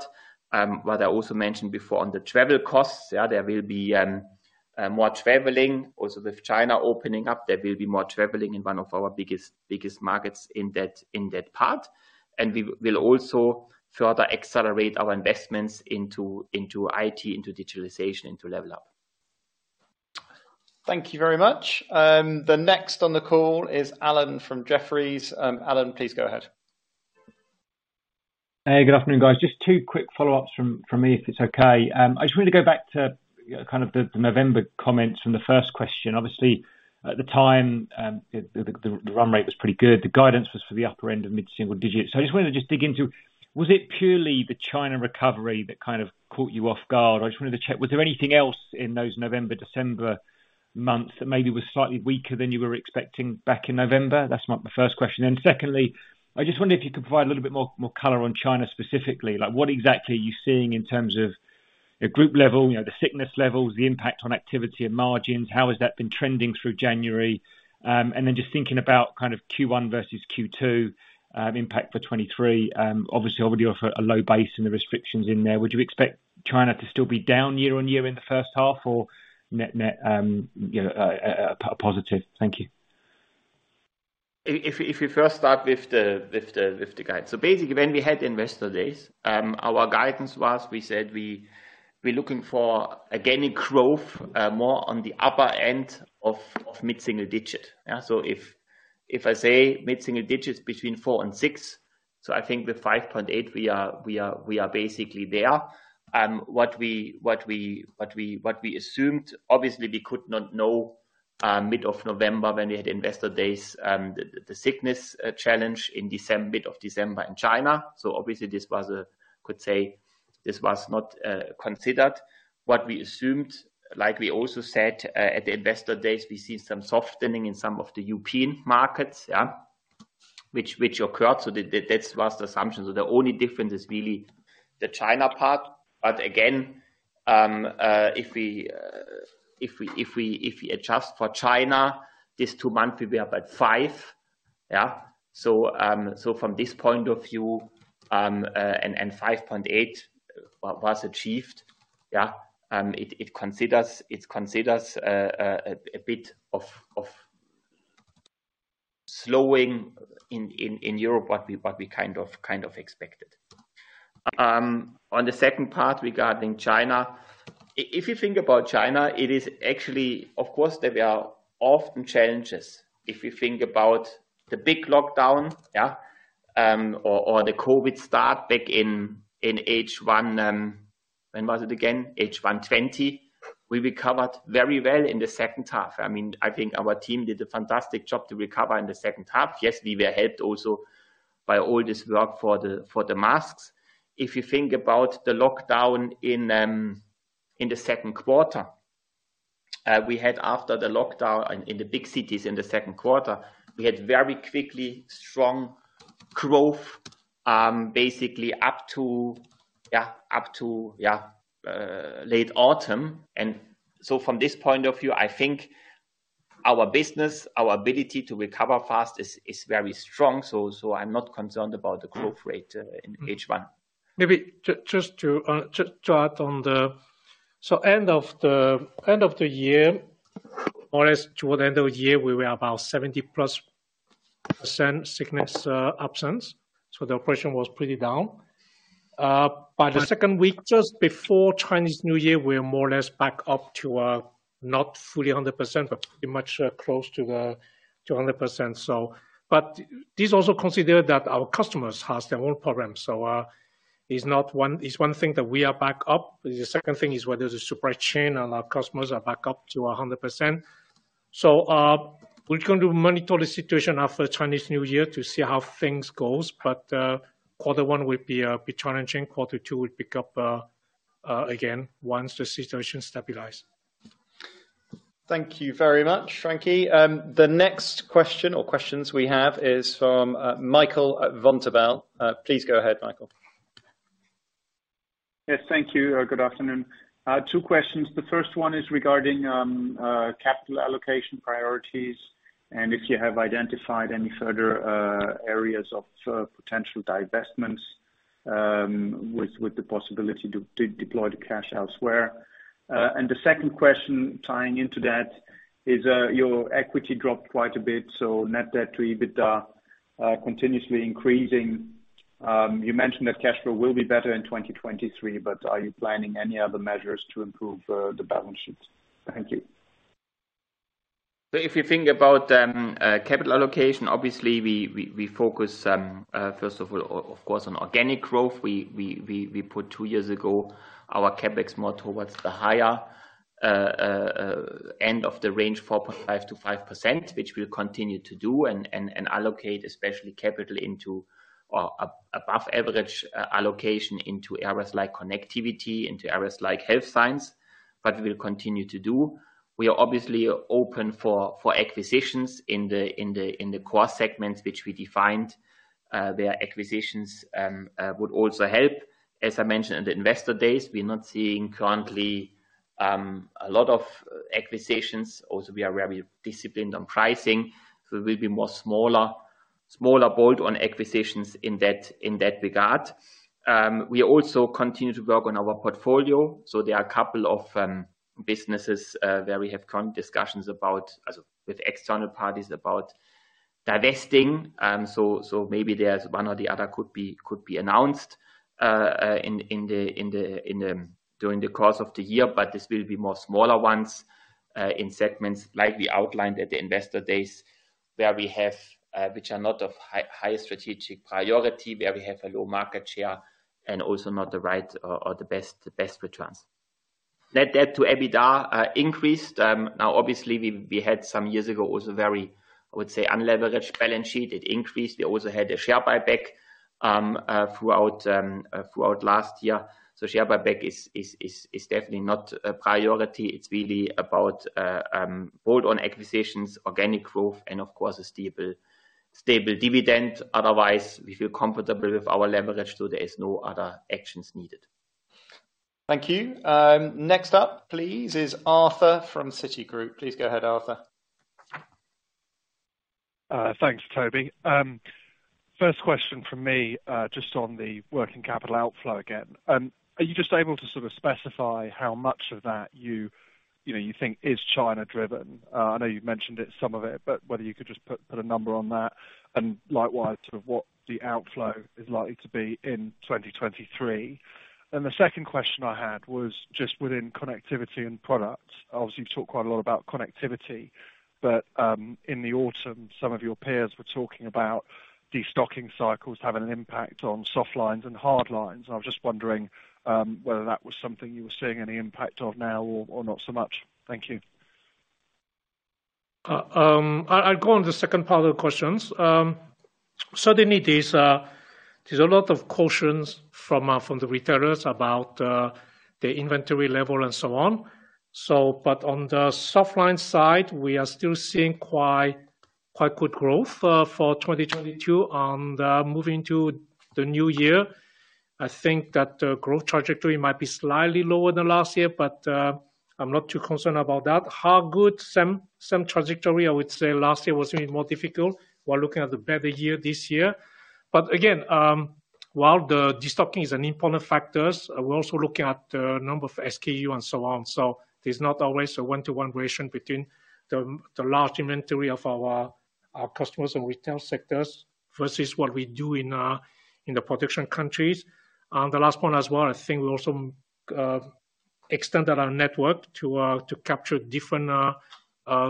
What I also mentioned before on the travel costs, yeah, there will be more traveling. Also with China opening up, there will be more traveling in one of our biggest markets in that part. We will also further accelerate our investments into IT, into digitalization, into Level Up. Thank you very much. The next on the call is Alan from Jefferies. Alan, please go ahead. Hey, good afternoon, guys. Just two quick follow-ups from me if it's okay. I just wanted to go back to kind of the November comments from the first question. Obviously, at the time, the run rate was pretty good. The guidance was for the upper end of mid-single digits. I just wanted to just dig into, was it purely the China recovery that kind of caught you off guard? I just wanted to check, was there anything else in those November, December months that maybe was slightly weaker than you were expecting back in November? That's my first question. Secondly, I just wonder if you could provide a little bit more color on China specifically. Like, what exactly are you seeing in terms of the group level, you know, the sickness levels, the impact on activity and margins? How has that been trending through January? Just thinking about kind of Q1 versus Q2, impact for 2023. Obviously, already you're for a low base and the restrictions in there. Would you expect China to still be down year-on-year in the first half or net, you know, a positive? Thank you. If we first start with the guide. Basically when we had Investor Days, our guidance was, we said we're looking for organic growth more on the upper end of mid-single digit. Yeah. If I say mid-single digit is between four and six, I think the 5.8, we are basically there. What we assumed, obviously we could not know mid of November when we had Investor Days, the sickness challenge in mid of December in China. Obviously this was not considered. What we assumed, like we also said at the Investor Days, we see some softening in some of the European markets, yeah, which occurred. That was the assumption. The only difference is really the China part. Again, if we adjust for China, this 2 months we were about 5. Yeah. From this point of view, and 5.8 was achieved. Yeah. It considers a bit of slowing in Europe what we kind of expected. On the second part regarding China, if you think about China, it is actually of course there were often challenges. If you think about the big lockdown, yeah, or the COVID start back in H1. When was it again? H1 2020. We recovered very well in the second half. I mean, I think our team did a fantastic job to recover in the second half. Yes, we were helped also by all this work for the masks. If you think about the lockdown in the second quarter, we had after the lockdown in the big cities in the second quarter, we had very quickly strong growth, basically up to late autumn. From this point of view, I think our business, our ability to recover fast is very strong. I'm not concerned about the growth rate in H1. Maybe just to add on. End of the year, more or less toward the end of the year, we were about 70 plus % sickness absence, so the operation was pretty down. By the second week, just before Chinese New Year, we're more or less back up to not fully 100%, but pretty much close to 100%. This also consider that our customers has their own problems, so it's one thing that we are back up. The second thing is whether the supply chain and our customers are back up to 100%. We're going to monitor the situation after Chinese New Year to see how things goes. Quarter one will be challenging. Quarter two will pick up again once the situation stabilize. Thank you very much, Frankie. The next question or questions we have is from Michael Vontobel. Please go ahead, Michael. Yes, thank you. Good afternoon. 2 questions. The first one is regarding capital allocation priorities, and if you have identified any further areas of potential divestments, with the possibility to de-deploy the cash elsewhere. The second question tying into that is your equity dropped quite a bit, so net debt to EBITDA continuously increasing. You mentioned that cash flow will be better in 2023, are you planning any other measures to improve the balance sheet? Thank you. If you think about capital allocation, obviously we focus first of all, of course, on organic growth. We put two years ago our CapEx more towards the higher end of the range, 4.5%-5%, which we'll continue to do, and allocate especially capital into above average allocation into areas like connectivity, into areas like health science. What we'll continue to do, we are obviously open for acquisitions in the core segments which we defined, where acquisitions would also help. As I mentioned at the Investor Days, we're not seeing currently a lot of acquisitions. We are very disciplined on pricing, so we'll be more smaller bold on acquisitions in that regard. We also continue to work on our portfolio, so there are a couple of businesses where we have current discussions about, as with external parties about divesting. Maybe there's one or the other could be announced in the course of the year, but this will be more smaller ones in segments like we outlined at the Investor Days where we have which are not of higher strategic priority, where we have a low market share and also not the right or the best returns. Net debt to EBITDA increased. Now obviously we had some years ago was a very, I would say, unleveraged balance sheet. It increased. We also had a share buyback throughout last year. Share buyback is definitely not a priority. It's really about hold on acquisitions, organic growth, and of course a stable dividend. Otherwise, we feel comfortable with our leverage. There is no other actions needed. Thank you. Next up, please, is Arthur from Citigroup. Please go ahead, Arthur. Thanks, Toby. First question from me, just on the working capital outflow again. Are you just able to sort of specify how much of that you know, you think is China driven? I know you've mentioned it, some of it, but whether you could just put a number on that, and likewise, sort of what the outflow is likely to be in 2023. The second question I had was just within Connectivity & Products. Obviously, you talk quite a lot about connectivity, but in the autumn, some of your peers were talking about destocking cycles having an impact on soft lines and hard lines, and I'm just wondering whether that was something you were seeing any impact of now or not so much. Thank you. I'll go on the second part of the questions. Certainly there's a lot of cautions from the retailers about the inventory level and so on. But on the soft line side, we are still seeing quite good growth for 2022. Moving to the new year, I think that the growth trajectory might be slightly lower than last year, but I'm not too concerned about that. How good? Some trajectory, I would say last year was maybe more difficult. We're looking at the better year this year. Again, while the destocking is an important factors, we're also looking at the number of SKU and so on. There's not always a one-to-one ratio between the large inventory of our customers and retail sectors versus what we do in the production countries. The last point as well, I think we also extended our network to capture different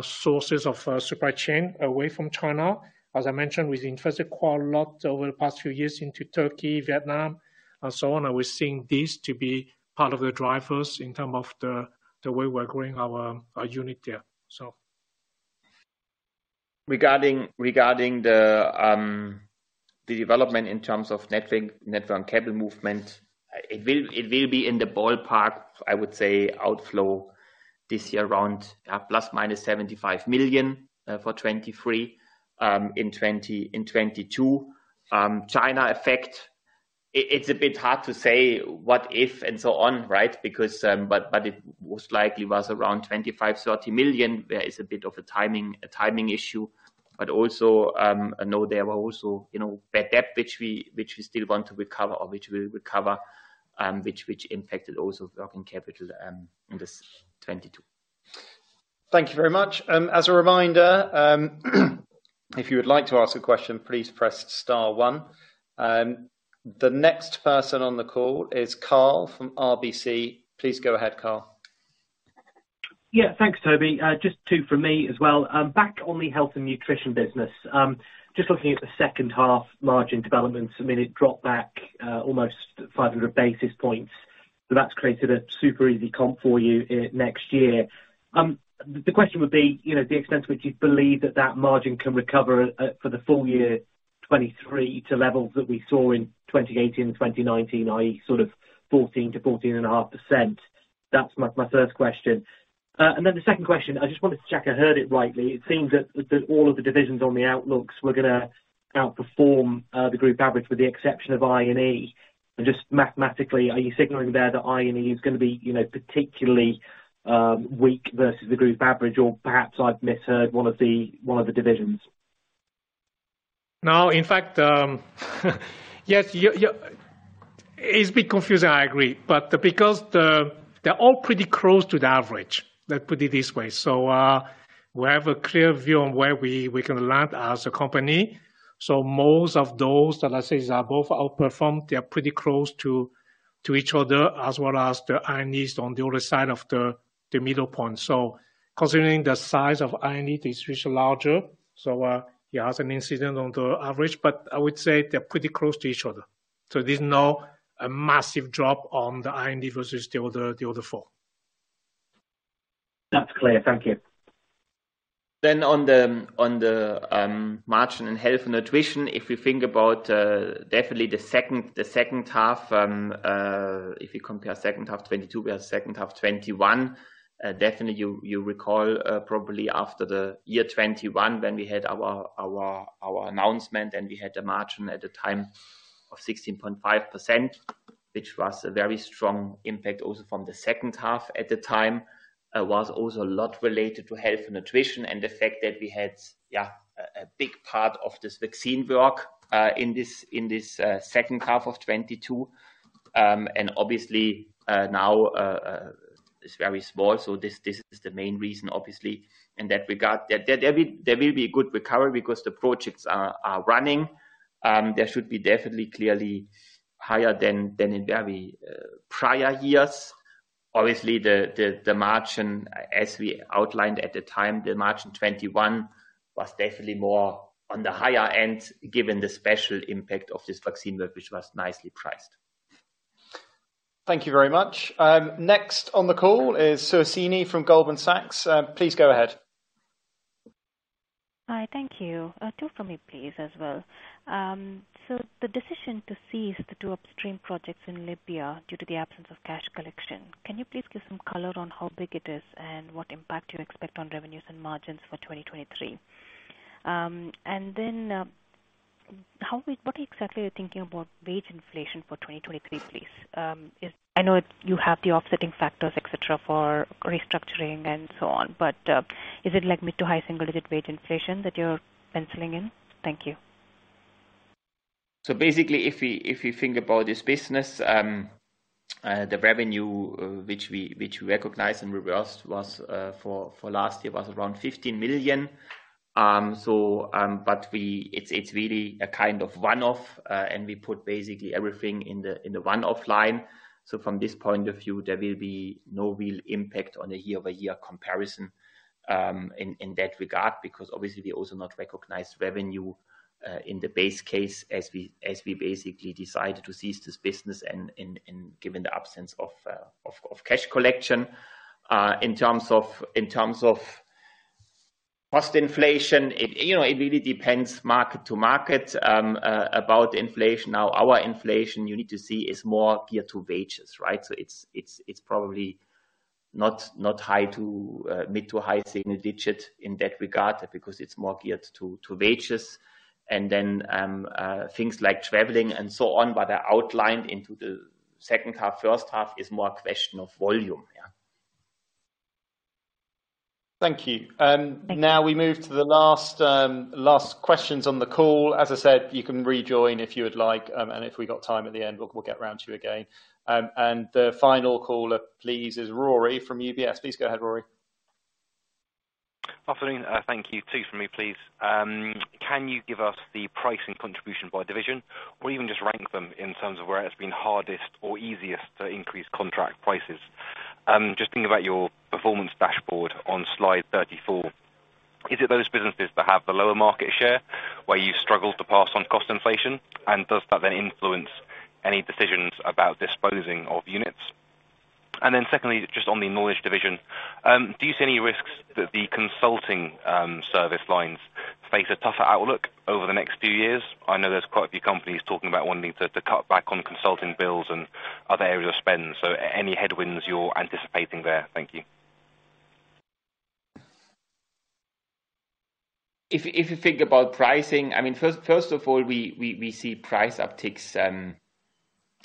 sources of supply chain away from China. As I mentioned, we've invested quite a lot over the past few years into Turkey, Vietnam, and so on, and we're seeing this to be part of the drivers in term of the way we're growing our unit there. Regarding the development in terms of net working capital movement, it will be in the ballpark, I would say, outflow this year around ±75 million for 2023 in 2022. China effect, it's a bit hard to say what if and so on, right? But it most likely was around 25 million-30 million. There is a bit of a timing issue, but also, I know there were also, you know, bad debt which we still want to recover or which we'll recover, which impacted also working capital in this 2022. Thank you very much. As a reminder, if you would like to ask a question, please press star one. The next person on the call is Carl from RBC. Please go ahead, Carl. Yeah. Thanks, Toby. Just two from me as well. Back on the Health & Nutrition business, just looking at the second half margin developments, I mean, it dropped back almost 500 basis points. That's created a super easy comp for you next year. The question would be, you know, the extent to which you believe that that margin can recover for the full year 2023 to levels that we saw in 2018 and 2019, i.e. sort of 14% to 14.5%. That's my first question. The second question, I just wanted to check I heard it rightly. It seems that all of the divisions on the outlooks were going to outperform the group average with the exception of I&E. Just mathematically, are you signaling there that I&E is gonna be, you know, particularly weak versus the group average? Perhaps I've misheard one of the, one of the divisions. In fact, yes, it's a bit confusing, I agree. Because the, they're all pretty close to the average, let's put it this way. We have a clear view on where we can land as a company. Most of those that I say are both outperformed, they are pretty close to each other, as well as the I&Es on the other side of the middle point. Considering the size of I&E is much larger, so yeah, has an incident on the average. I would say they're pretty close to each other. There's no, a massive drop on the I&E versus the other four. That's clear. Thank you. On the margin in Health & Nutrition, if we think about, definitely the second half, if you compare second half 2022 with second half 2021, definitely you recall, probably after the year 2021 when we had our announcement and we had a margin at the time of 16.5%, which was a very strong impact also from the second half at the time, was also a lot related to Health & Nutrition and the fact that we had, a big part of this vaccine work, in this second half of 2022. Obviously, now, it's very small, so this is the main reason, obviously, in that regard. There will be a good recovery because the projects are running. There should be definitely, clearly higher than in very prior years. Obviously, the margin, as we outlined at the time, the margin 2021 was definitely more on the higher end given the special impact of this vaccine work, which was nicely priced. Thank you very much. Next on the call is Suhasini Varanasi from Goldman Sachs. Please go ahead. Hi. Thank you. 2 for me, please, as well. The decision to cease the 2 upstream projects in Libya due to the absence of cash collection, can you please give some color on how big it is and what impact you expect on revenues and margins for 2023? What exactly are you thinking about wage inflation for 2023, please? I know you have the offsetting factors, et cetera, for restructuring and so on. Is it like mid to high single-digit wage inflation that you're penciling in? Thank you. Basically, if we think about this business, the revenue which we recognized and reversed was for last year was around 15 million. It's really a kind of one-off, and we put basically everything in the one-off line. From this point of view, there will be no real impact on a year-over-year comparison in that regard, because obviously we also not recognize revenue in the base case as we basically decided to cease this business and given the absence of cash collection. In terms of cost inflation, it, you know, really depends market to market about inflation. Our inflation you need to see is more geared to wages, right? It's probably not high to mid to high single digit in that regard because it's more geared to wages. Things like traveling and so on, what I outlined into the second half, first half is more a question of volume. Yeah. Thank you. Now we move to the last questions on the call. As I said, you can rejoin if you would like, and if we got time at the end, we'll get around to you again. The final caller, please, is Rory from UBS. Please go ahead, Rory. Afternoon. Thank you. 2 for me, please. Can you give us the pricing contribution by division, or even just rank them in terms of where it has been hardest or easiest to increase contract prices? Just thinking about your performance dashboard on slide 34. Is it those businesses that have the lower market share where you've struggled to pass on cost inflation? Does that then influence any decisions about disposing of units? Secondly, just on the Knowledge division, do you see any risks that the consulting service lines face a tougher outlook over the next few years? I know there's quite a few companies talking about wanting to cut back on consulting bills and other areas of spend. Any headwinds you're anticipating there? Thank you. If you think about pricing, I mean, first of all, we see price upticks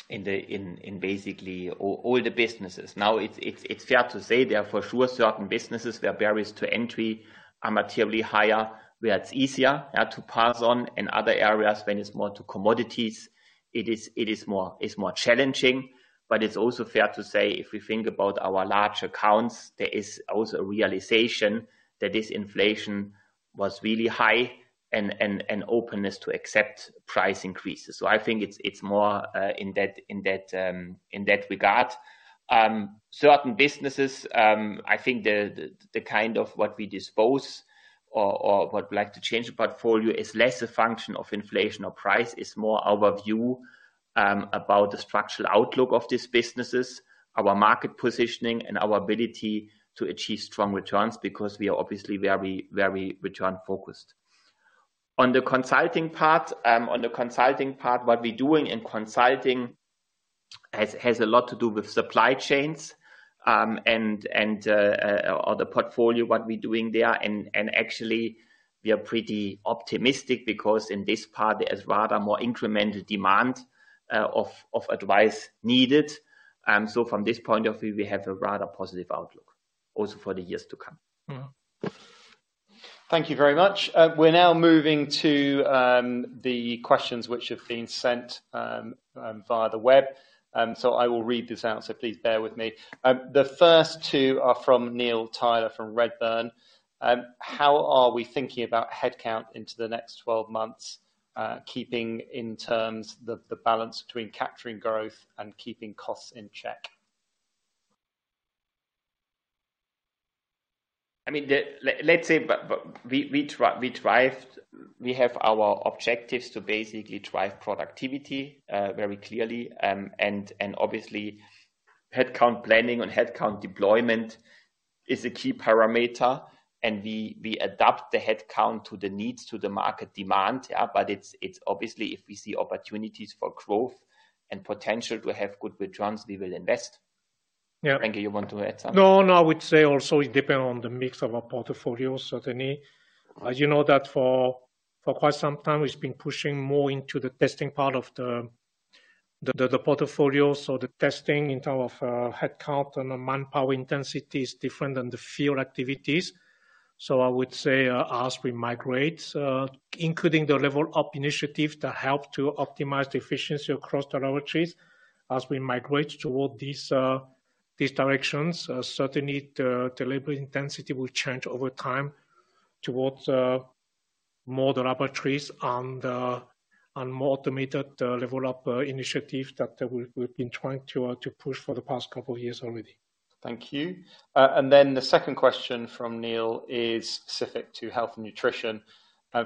in basically all the businesses. Now, it's fair to say there are for sure certain businesses where barriers to entry are materially higher, where it's easier to pass on. In other areas, when it's more to commodities, it's more challenging. It's also fair to say if we think about our large accounts, there is also a realization that this inflation was really high and an openness to accept price increases. I think it's more in that regard. Certain businesses, I think the kind of what we dispose or what we'd like to change the portfolio is less a function of inflation or price. It's more our view about the structural outlook of these businesses, our market positioning, and our ability to achieve strong returns because we are obviously very, very return-focused. On the consulting part, what we're doing in consulting has a lot to do with supply chains, or the portfolio, what we're doing there. Actually we are pretty optimistic because in this part there's rather more incremental demand of advice needed. From this point of view, we have a rather positive outlook also for the years to come. Thank you very much. We're now moving to the questions which have been sent via the web. I will read this out, so please bear with me. The first two are from Neil Tyler from Redburn. How are we thinking about headcount into the next 12 months, keeping in terms the balance between capturing growth and keeping costs in check? I mean, we drive. We have our objectives to basically drive productivity, very clearly. Obviously, headcount planning and headcount deployment is a key parameter, and we adapt the headcount to the needs, to the market demand, yeah. It's obviously if we see opportunities for growth and potential to have good returns, we will invest. Yeah. Frank, you want to add something? I would say also it depends on the mix of our portfolios, certainly. As you know, that for quite some time, it's been pushing more into the testing part of the portfolio. The testing in term of headcount and the manpower intensity is different than the field activities. I would say, as we migrate, including the Level Up initiative to help to optimize the efficiency across the laboratories. As we migrate toward these directions, certainly the labor intensity will change over time towards more the laboratories and more automated level of initiatives that we've been trying to push for the past couple of years already. Thank you. The second question from Neil is specific to Health & Nutrition.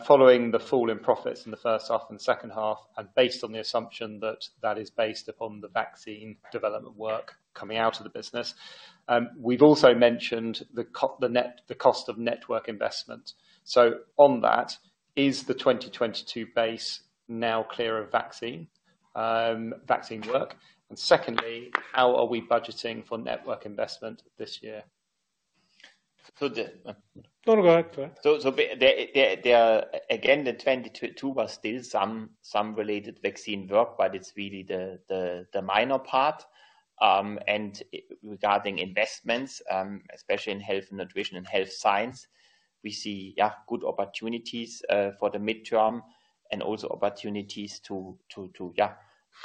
Following the fall in profits in the first half and second half, and based on the assumption that that is based upon the vaccine development work coming out of the business, we'd also mentioned the cost of network investment. On that, is the 2022 base now clear of vaccine work? Secondly, how are we budgeting for network investment this year? So the- No, go ahead. Go ahead. There are. Again, in 2022 was still some related vaccine work, but it's really the minor part. Regarding investments, especially in Health & Nutrition and health science, we see good opportunities for the midterm and also opportunities to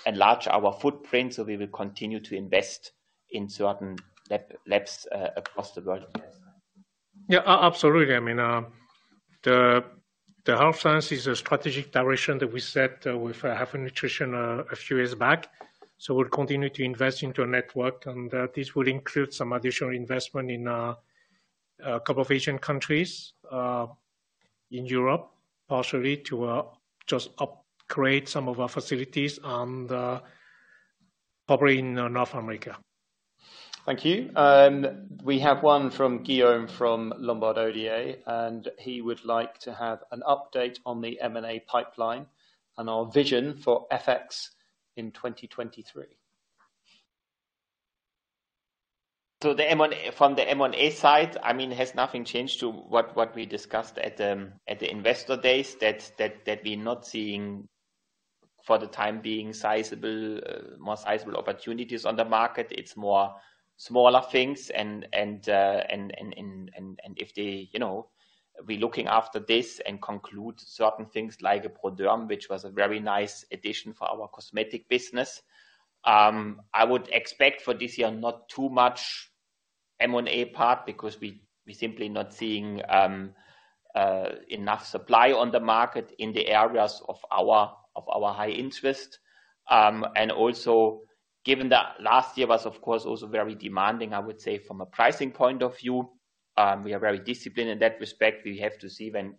enlarge our footprint, so we will continue to invest in certain labs across the world. Yeah, absolutely. I mean, the health science is a strategic direction that we set with Health & Nutrition a few years back. We'll continue to invest into a network, and this will include some additional investment in 2 Asian countries, in Europe, partially to just up-create some of our facilities and probably in North America. Thank you. We have one from Guillaume Delmas from Lombard Odier, and he would like to have an update on the M&A pipeline and our vision for FX in 2023. The M&A side, I mean, it has nothing changed to what we discussed at the investor days. We're not seeing, for the time being, more sizable opportunities on the market. It's more smaller things and if they... You know, we're looking after this and conclude certain things like a Proderm, which was a very nice addition for our cosmetic business. I would expect for this year, not too much M&A part because we're simply not seeing enough supply on the market in the areas of our high interest. Also given that last year was of course also very demanding, I would say from a pricing point of view, we are very disciplined in that respect. We have to see when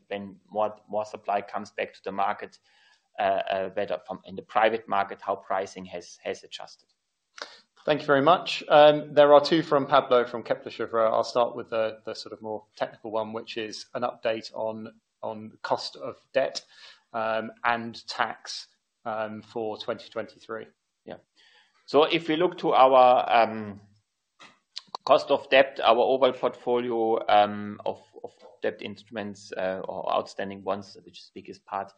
more supply comes back to the market, whether from in the private market how pricing has adjusted. Thank you very much. There are two from Pablo from Kepler Cheuvreux. I'll start with the sort of more technical one, which is an update on cost of debt, and tax, for 2023. If we look to our cost of debt, our overall portfolio of debt instruments, or outstanding ones, which is biggest part,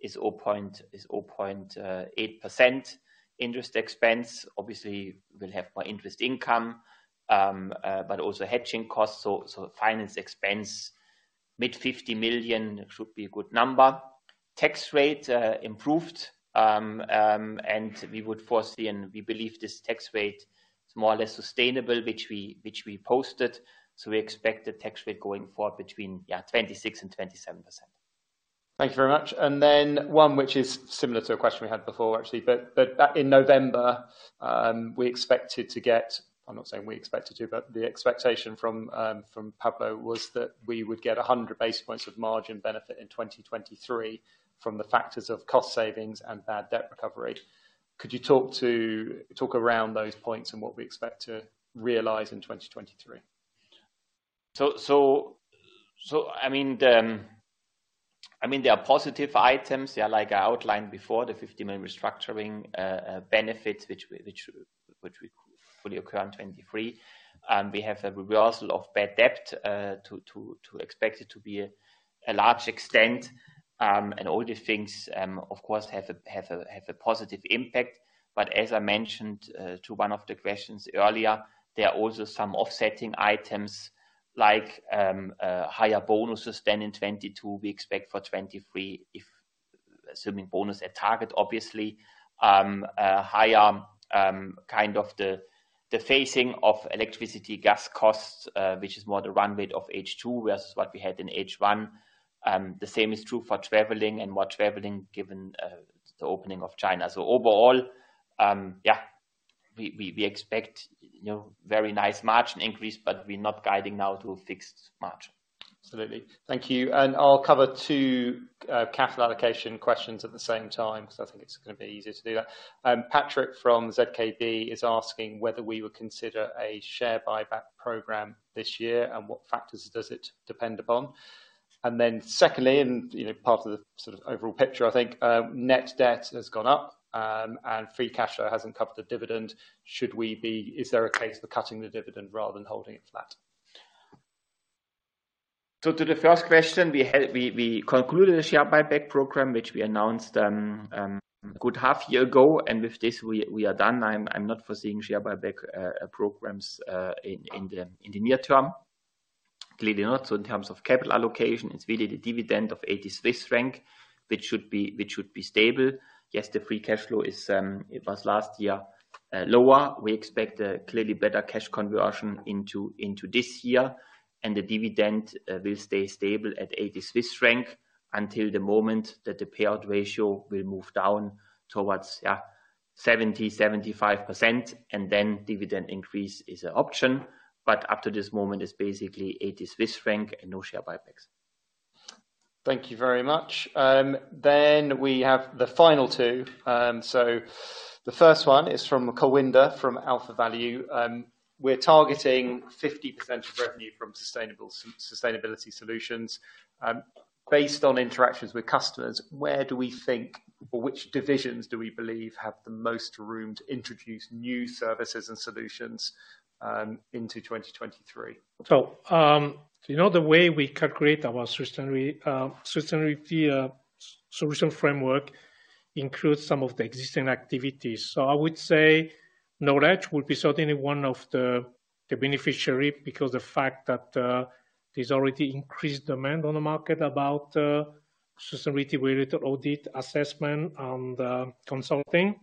is 0.8% interest expense. Obviously, we'll have more interest income, but also hedging costs. Finance expense mid 50 million should be a good number. Tax rate improved. We would foresee and we believe this tax rate is more or less sustainable, which we posted. We expect the tax rate going forward between 26%-27%. Thank you very much. Then one which is similar to a question we had before actually, but back in November, we expected to get... I'm not saying we expected to, but the expectation from Pablo was that we would get 100 basis points of margin benefit in 2023 from the factors of cost savings and bad debt recovery. Could you talk around those points and what we expect to realize in 2023? I mean, there are positive items. There are like I outlined before, the 50 million restructuring benefits which would fully occur in 2023. We have a reversal of bad debt to expect it to be a large extent. All these things, of course, have a positive impact. As I mentioned to one of the questions earlier, there are also some offsetting items like higher bonuses than in 2022 we expect for 2023 if Assuming bonus at target, obviously. A higher, kind of the facing of electricity gas costs, which is more the run rate of H2 versus what we had in H1. The same is true for traveling and more traveling given, the opening of China. Overall, yeah, we, we expect, you know, very nice margin increase, but we're not guiding now to a fixed margin. Absolutely. Thank you. I'll cover two capital allocation questions at the same time, 'cause I think it's gonna be easier to do that. Patrick from ZKB is asking whether we would consider a share buyback program this year, and what factors does it depend upon? Secondly, and, you know, part of the sort of overall picture, I think, net debt has gone up, and free cash flow hasn't covered the dividend. Is there a case for cutting the dividend rather than holding it flat? To the first question, We concluded a share buyback program, which we announced a good half year ago, and with this, we are done. I'm not foreseeing share buyback programs in the near term. Clearly not. In terms of capital allocation, it's really the dividend of 80 Swiss franc, which should be stable. Yes, the free cash flow is, it was last year lower. We expect a clearly better cash conversion into this year, and the dividend will stay stable at 80 Swiss franc until the moment that the payout ratio will move down towards 70%-75%, and then dividend increase is an option. Up to this moment, it's basically 80 Swiss franc and no share buybacks. Thank you very much. We have the final two. The first one is from Kulwinder Garcha from AlphaValue. We're targeting 50% of revenue from sustainable sustainability solutions. Based on interactions with customers, where do we think or which divisions do we believe have the most room to introduce new services and solutions into 2023? You know, the way we calculate our sustainability solution framework includes some of the existing activities. I would say Knowledge will be certainly one of the beneficiary because the fact that there's already increased demand on the market about sustainability related audit assessment and consulting.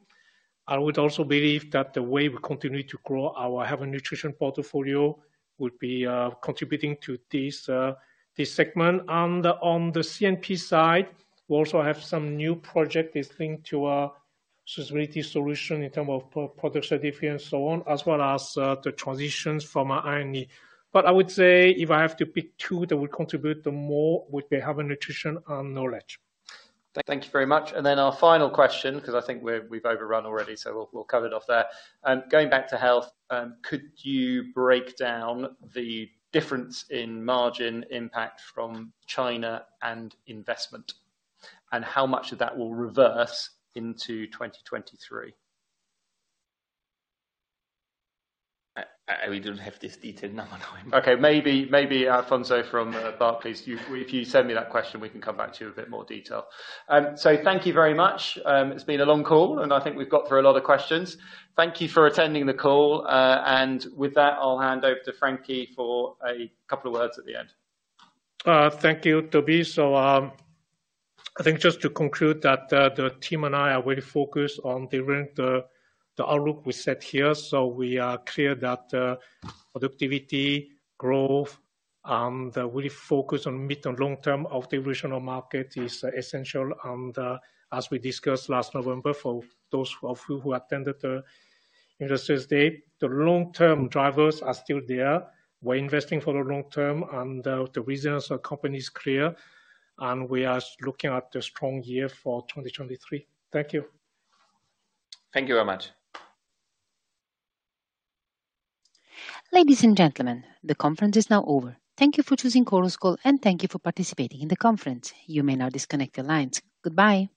I would also believe that the way we continue to grow our Health & Nutrition portfolio would be contributing to this segment. On the CNP side, we also have some new project is linked to our sustainability solution in terms of product certificate and so on, as well as the transitions from our INE. But I would say if I have to pick two that would contribute the more would be Health & Nutrition and Knowledge. Thank you very much. Then our final question, 'cause I think we're, we've overrun already, so we'll cover it off there. Going back to health, could you break down the difference in margin impact from China and investment, and how much of that will reverse into 2023? We don't have this detailed number now. Okay. Maybe Alfonso Edeso from Barclays, if you send me that question, we can come back to you in a bit more detail. Thank you very much. It's been a long call, and I think we've got through a lot of questions. Thank you for attending the call. With that, I'll hand over to Frankie for a couple of words at the end. Thank you, Toby. I think just to conclude that the team and I are really focused on delivering the outlook we set here. We are clear that productivity, growth, and really focus on mid and long term of the original market is essential. As we discussed last November, for those of you who attended the Investor Days, the long-term drivers are still there. We're investing for the long term, and the reasons are company's clear, and we are looking at a strong year for 2023. Thank you. Thank you very much. Ladies and gentlemen, the conference is now over. Thank you for choosing Chorus Call, and thank you for participating in the conference. You may now disconnect your lines. Goodbye.